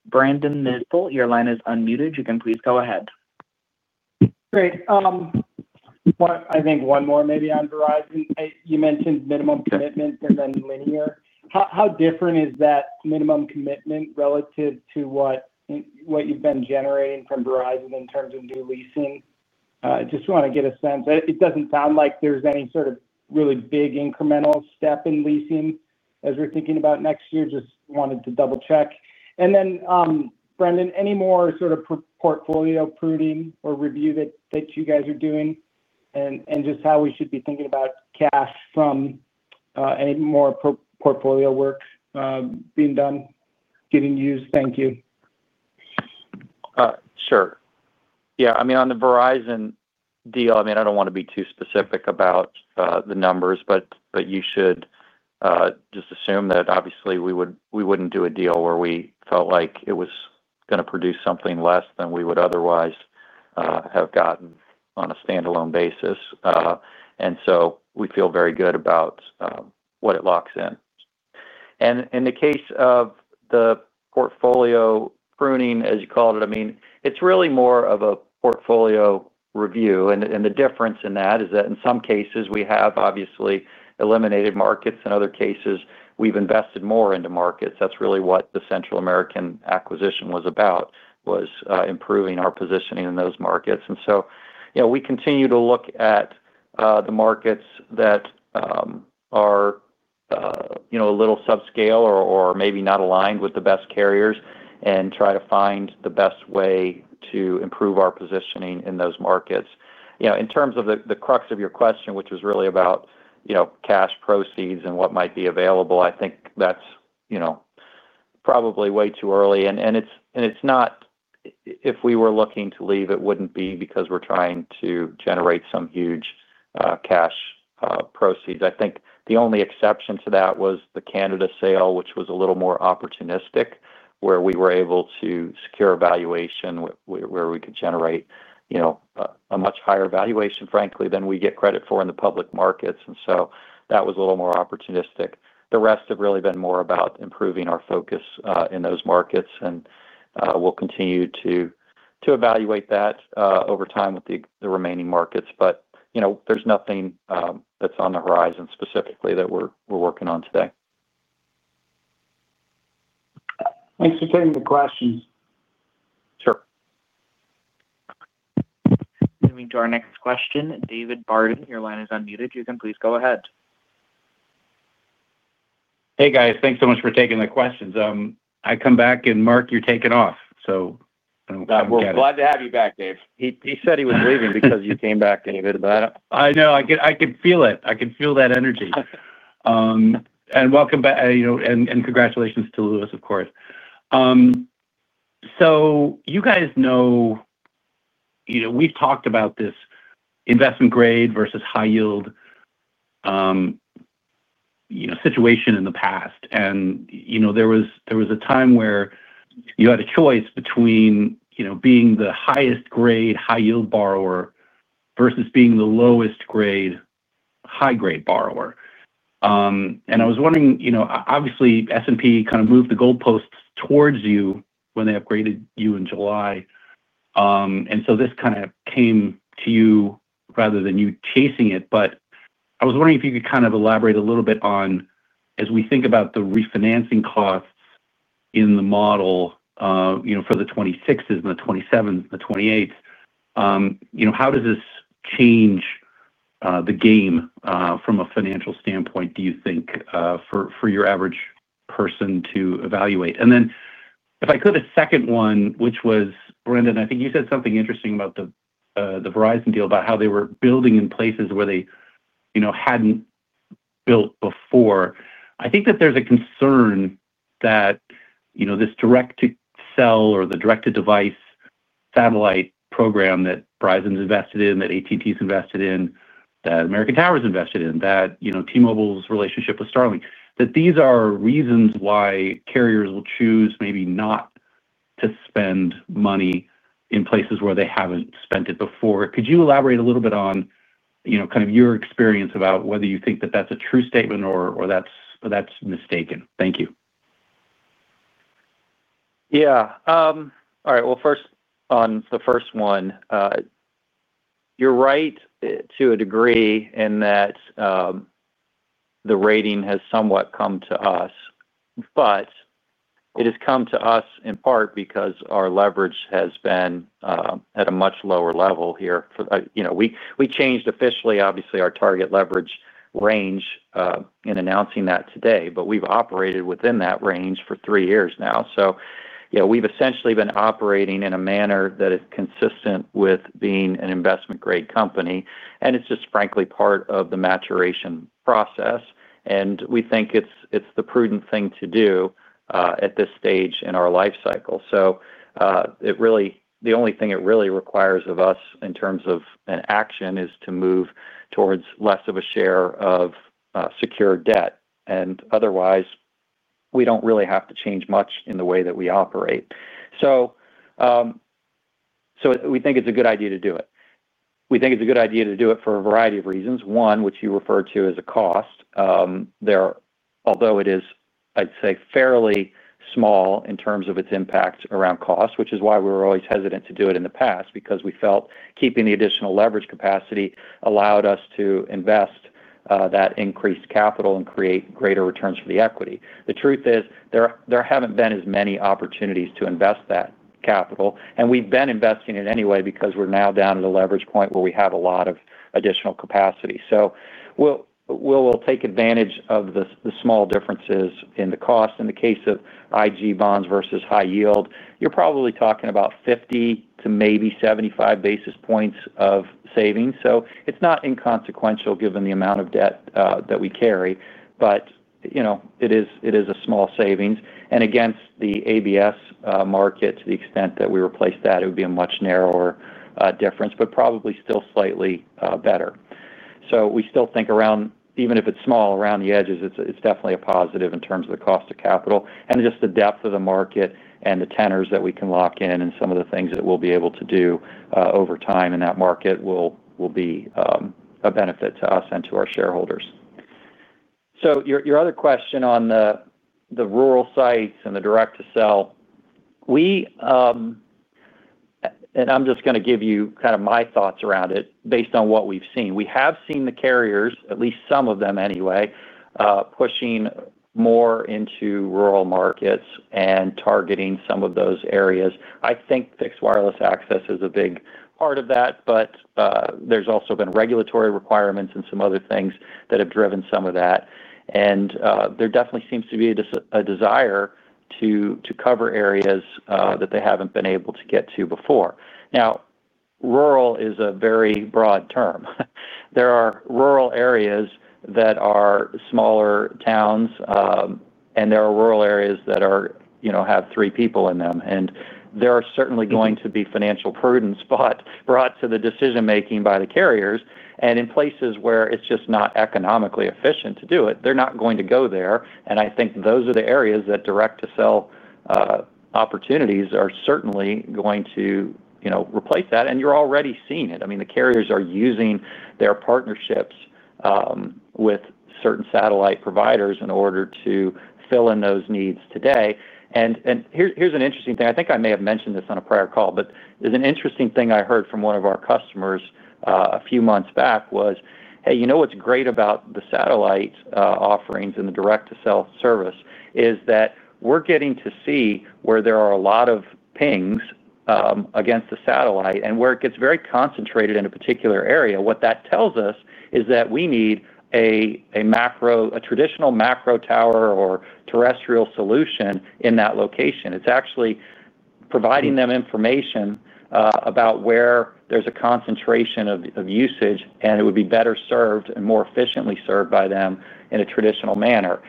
Brandon Nispel, your line is unmuted. You can please go ahead. Great. I think one more maybe on Verizon. You mentioned minimum commitment and then linear. How different is that minimum commitment relative to what you've been generating from Verizon in terms of new leasing? I just want to get a sense. It doesn't sound like there's any sort of really big incremental step in leasing as we're thinking about next year. Just wanted to double-check. Brandon, any more sort of portfolio pruning or review that you guys are doing and just how we should be thinking about cash from any more portfolio work being done, getting used? Thank you. Sure. Yeah. I mean, on the Verizon deal, I mean, I do not want to be too specific about the numbers, but you should just assume that obviously we would not do a deal where we felt like it was going to produce something less than we would otherwise have gotten on a standalone basis. I mean, we feel very good about what it locks in. In the case of the portfolio pruning, as you called it, I mean, it is really more of a portfolio review. The difference in that is that in some cases, we have obviously eliminated markets. In other cases, we have invested more into markets. That is really what the Central American acquisition was about, was improving our positioning in those markets. We continue to look at the markets that are a little subscale or maybe not aligned with the best carriers and try to find the best way to improve our positioning in those markets. In terms of the crux of your question, which was really about cash proceeds and what might be available, I think that is probably way too early. It is not, if we were looking to leave, it would not be because we are trying to generate some huge cash proceeds. I think the only exception to that was the Canada sale, which was a little more opportunistic, where we were able to secure a valuation where we could generate a much higher valuation, frankly, than we get credit for in the public markets. That was a little more opportunistic. The rest have really been more about improving our focus in those markets. We will continue to evaluate that over time with the remaining markets. There is nothing that is on the horizon specifically that we are working on today. Thanks for taking the questions. Sure. Moving to our next question. David Barden, your line is unmuted. You can please go ahead. Hey, guys. Thanks so much for taking the questions. I come back and Marc, you're taking off. So. Glad to have you back, Dave. He said he was leaving because you came back, David. I could feel it. I could feel that energy. Welcome back. Congratulations to Louis, of course. You guys know we've talked about this investment-grade versus high-yield situation in the past. There was a time where you had a choice between being the highest-grade, high-yield borrower versus being the lowest-grade, high-grade borrower. I was wondering, obviously, S&P kind of moved the goalposts towards you when they upgraded you in July. This kind of came to you rather than you chasing it. I was wondering if you could elaborate a little bit on, as we think about the refinancing costs in the model for the '26s and the '27s and the '28s, how does this change the game from a financial standpoint, do you think, for your average person to evaluate? If I could, a second one, which was, Brendan, I think you said something interesting about the Verizon deal, about how they were building in places where they hadn't built before. I think that there's a concern that this direct-to-cell or the direct-to-device satellite program that Verizon's invested in, that AT&T's invested in, that American Tower's invested in, that T-Mobile's relationship with Starlink, that these are reasons why carriers will choose maybe not to spend money in places where they haven't spent it before. Could you elaborate a little bit on your experience about whether you think that that's a true statement or that's mistaken? Thank you. Yeah. All right. First, on the first one. You're right to a degree in that the rating has somewhat come to us. It has come to us in part because our leverage has been at a much lower level here. We changed officially, obviously, our target leverage range in announcing that today. We've operated within that range for three years now. Yeah, we've essentially been operating in a manner that is consistent with being an investment-grade company. It's just, frankly, part of the maturation process. We think it's the prudent thing to do at this stage in our life cycle. The only thing it really requires of us in terms of an action is to move towards less of a share of secured debt. Otherwise, we don't really have to change much in the way that we operate. We think it's a good idea to do it. We think it's a good idea to do it for a variety of reasons. One, which you referred to as a cost. Although it is, I'd say, fairly small in terms of its impact around cost, which is why we were always hesitant to do it in the past, because we felt keeping the additional leverage capacity allowed us to invest that increased capital and create greater returns for the equity. The truth is, there haven't been as many opportunities to invest that capital. We've been investing it anyway because we're now down to the leverage point where we have a lot of additional capacity. We'll take advantage of the small differences in the cost. In the case of IG bonds versus high-yield, you're probably talking about 50 to maybe 75 basis points of savings. It's not inconsequential given the amount of debt that we carry. It is a small savings. Against the ABS market, to the extent that we replace that, it would be a much narrower difference, but probably still slightly better. We still think around, even if it's small, around the edges, it's definitely a positive in terms of the cost of capital. Just the depth of the market and the tenors that we can lock in and some of the things that we'll be able to do over time in that market will be a benefit to us and to our shareholders. Your other question on the rural sites and the direct-to-sell. I'm just going to give you kind of my thoughts around it based on what we've seen. We have seen the carriers, at least some of them anyway, pushing more into rural markets and targeting some of those areas. I think fixed wireless access is a big part of that. There's also been regulatory requirements and some other things that have driven some of that. There definitely seems to be a desire to cover areas that they haven't been able to get to before. Now. Rural is a very broad term. There are rural areas that are smaller towns. There are rural areas that have three people in them. There are certainly going to be financial prudence brought to the decision-making by the carriers. In places where it is just not economically efficient to do it, they are not going to go there. I think those are the areas that direct-to-cell opportunities are certainly going to replace that. You are already seeing it. I mean, the carriers are using their partnerships with certain satellite providers in order to fill in those needs today. Here is an interesting thing. I think I may have mentioned this on a prior call, but there is an interesting thing I heard from one of our customers a few months back: "Hey, you know what is great about the satellite offerings and the direct-to-cell service is that we are getting to see where there are a lot of pings against the satellite and where it gets very concentrated in a particular area. What that tells us is that we need a traditional macro tower or terrestrial solution in that location." It is actually providing them information about where there is a concentration of usage, and it would be better served and more efficiently served by them in a traditional manner.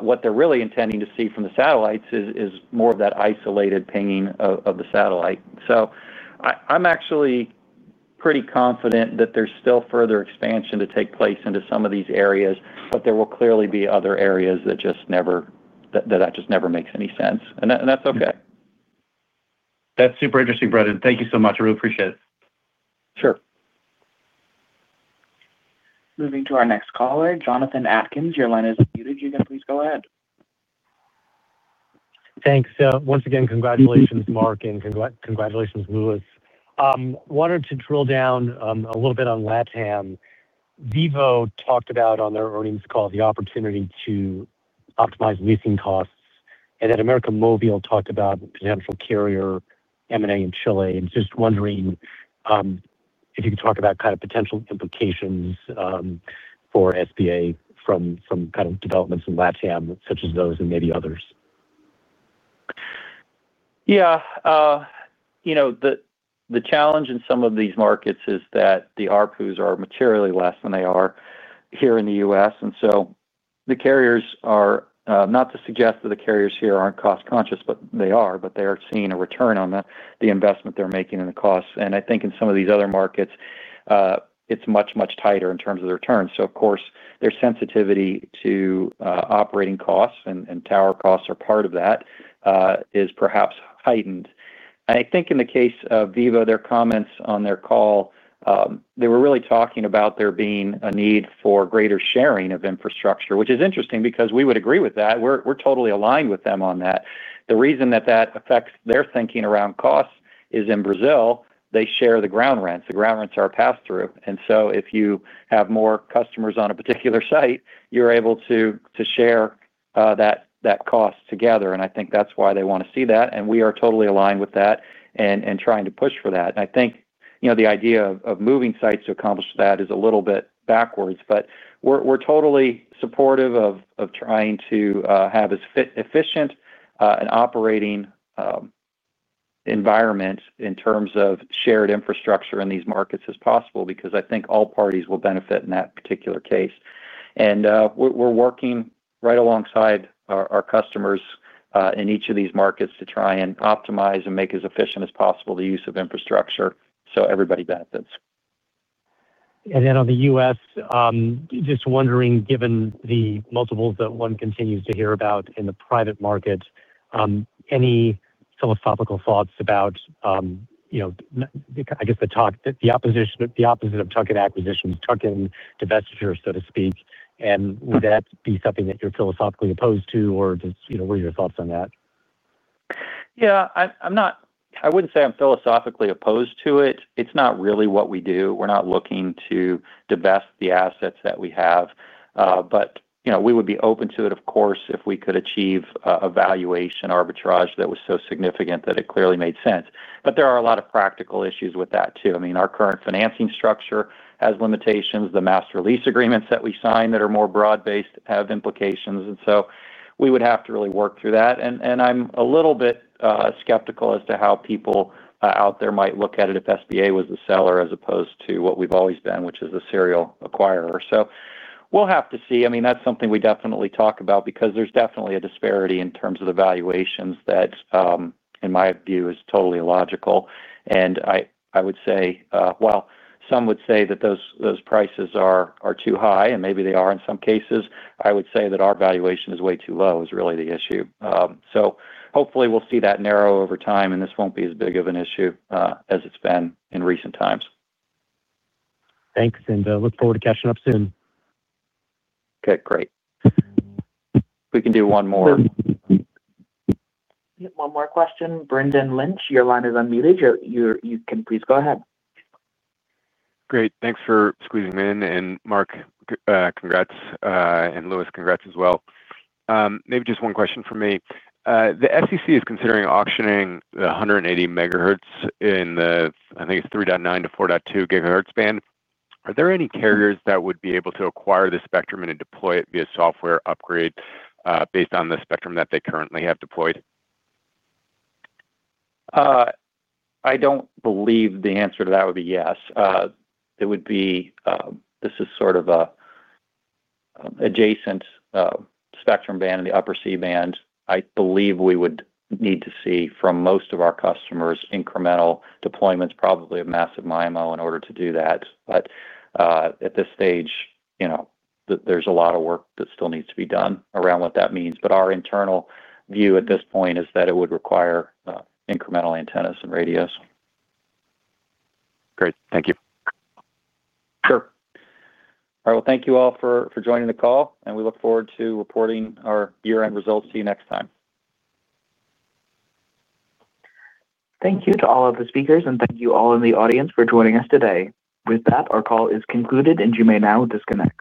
What they are really intending to see from the satellites is more of that isolated pinging of the satellite. I am actually pretty confident that there is still further expansion to take place into some of these areas, but there will clearly be other areas that just never makes any sense. That is okay. That's super interesting, Brendan. Thank you so much. I really appreciate it. Sure. Moving to our next caller, Jonathan Atkin. Your line is unmuted. You can please go ahead. Thanks. Once again, congratulations, Marc, and congratulations, Louis. I wanted to drill down a little bit on Latam. Vivo talked about on their earnings call the opportunity to optimize leasing costs, and then América Móvil talked about potential carrier M&A in Chile. Just wondering if you could talk about kind of potential implications for SBA from kind of developments in Latam such as those and maybe others. Yeah. The challenge in some of these markets is that the ARPUs are materially less than they are here in the U.S. The carriers are not to suggest that the carriers here are not cost-conscious, but they are. They are seeing a return on the investment they are making in the costs. I think in some of these other markets, it is much, much tighter in terms of the return. Of course, their sensitivity to operating costs and tower costs are part of that, is perhaps heightened. I think in the case of Vivo, their comments on their call, they were really talking about there being a need for greater sharing of infrastructure, which is interesting because we would agree with that. We are totally aligned with them on that. The reason that that affects their thinking around costs is in Brazil, they share the ground rents. The ground rents are a pass-through, and if you have more customers on a particular site, you are able to share that cost together. I think that is why they want to see that, and we are totally aligned with that and trying to push for that. I think the idea of moving sites to accomplish that is a little bit backwards, but we are totally supportive of trying to have as efficient an operating environment in terms of shared infrastructure in these markets as possible because I think all parties will benefit in that particular case. We are working right alongside our customers in each of these markets to try and optimize and make as efficient as possible the use of infrastructure so everybody benefits. On the U.S., just wondering, given the multiples that one continues to hear about in the private market, any philosophical thoughts about, I guess, the opposite of tuck-in acquisitions, tuck-in divestiture, so to speak? Would that be something that you're philosophically opposed to, or just what are your thoughts on that? Yeah. I wouldn't say I'm philosophically opposed to it. It's not really what we do. We're not looking to divest the assets that we have. But we would be open to it, of course, if we could achieve a valuation arbitrage that was so significant that it clearly made sense. But there are a lot of practical issues with that too. I mean, our current financing structure has limitations. The master lease agreements that we sign that are more broad-based have implications. We would have to really work through that. I'm a little bit skeptical as to how people out there might look at it if SBA was the seller as opposed to what we've always been, which is the serial acquirer. We'll have to see. I mean, that's something we definitely talk about because there's definitely a disparity in terms of the valuations that, in my view, is totally illogical. I would say, well, some would say that those prices are too high, and maybe they are in some cases. I would say that our valuation is way too low is really the issue. Hopefully, we'll see that narrow over time, and this won't be as big of an issue as it's been in recent times. Thanks, and look forward to catching up soon. Okay. Great. We can do one more. One more question. Brendan Lynch, your line is unmuted. You can please go ahead. Great. Thanks for squeezing me in. Mark, congrats. Louis, congrats as well. Maybe just one question for me. The SEC is considering auctioning the 180 MHz in the, I think it is 3.9-4.2 GHz band. Are there any carriers that would be able to acquire the spectrum and deploy it via software upgrade based on the spectrum that they currently have deployed? I don't believe the answer to that would be yes. It would be. This is sort of an adjacent spectrum band in the upper C-band. I believe we would need to see from most of our customers incremental deployments, probably a massive MIMO in order to do that. At this stage, there is a lot of work that still needs to be done around what that means. Our internal view at this point is that it would require incremental antennas and radios. Great. Thank you. Sure. All right. Thank you all for joining the call. We look forward to reporting our year-end results to you next time. Thank you to all of the speakers, and thank you all in the audience for joining us today. With that, our call is concluded, and you may now disconnect.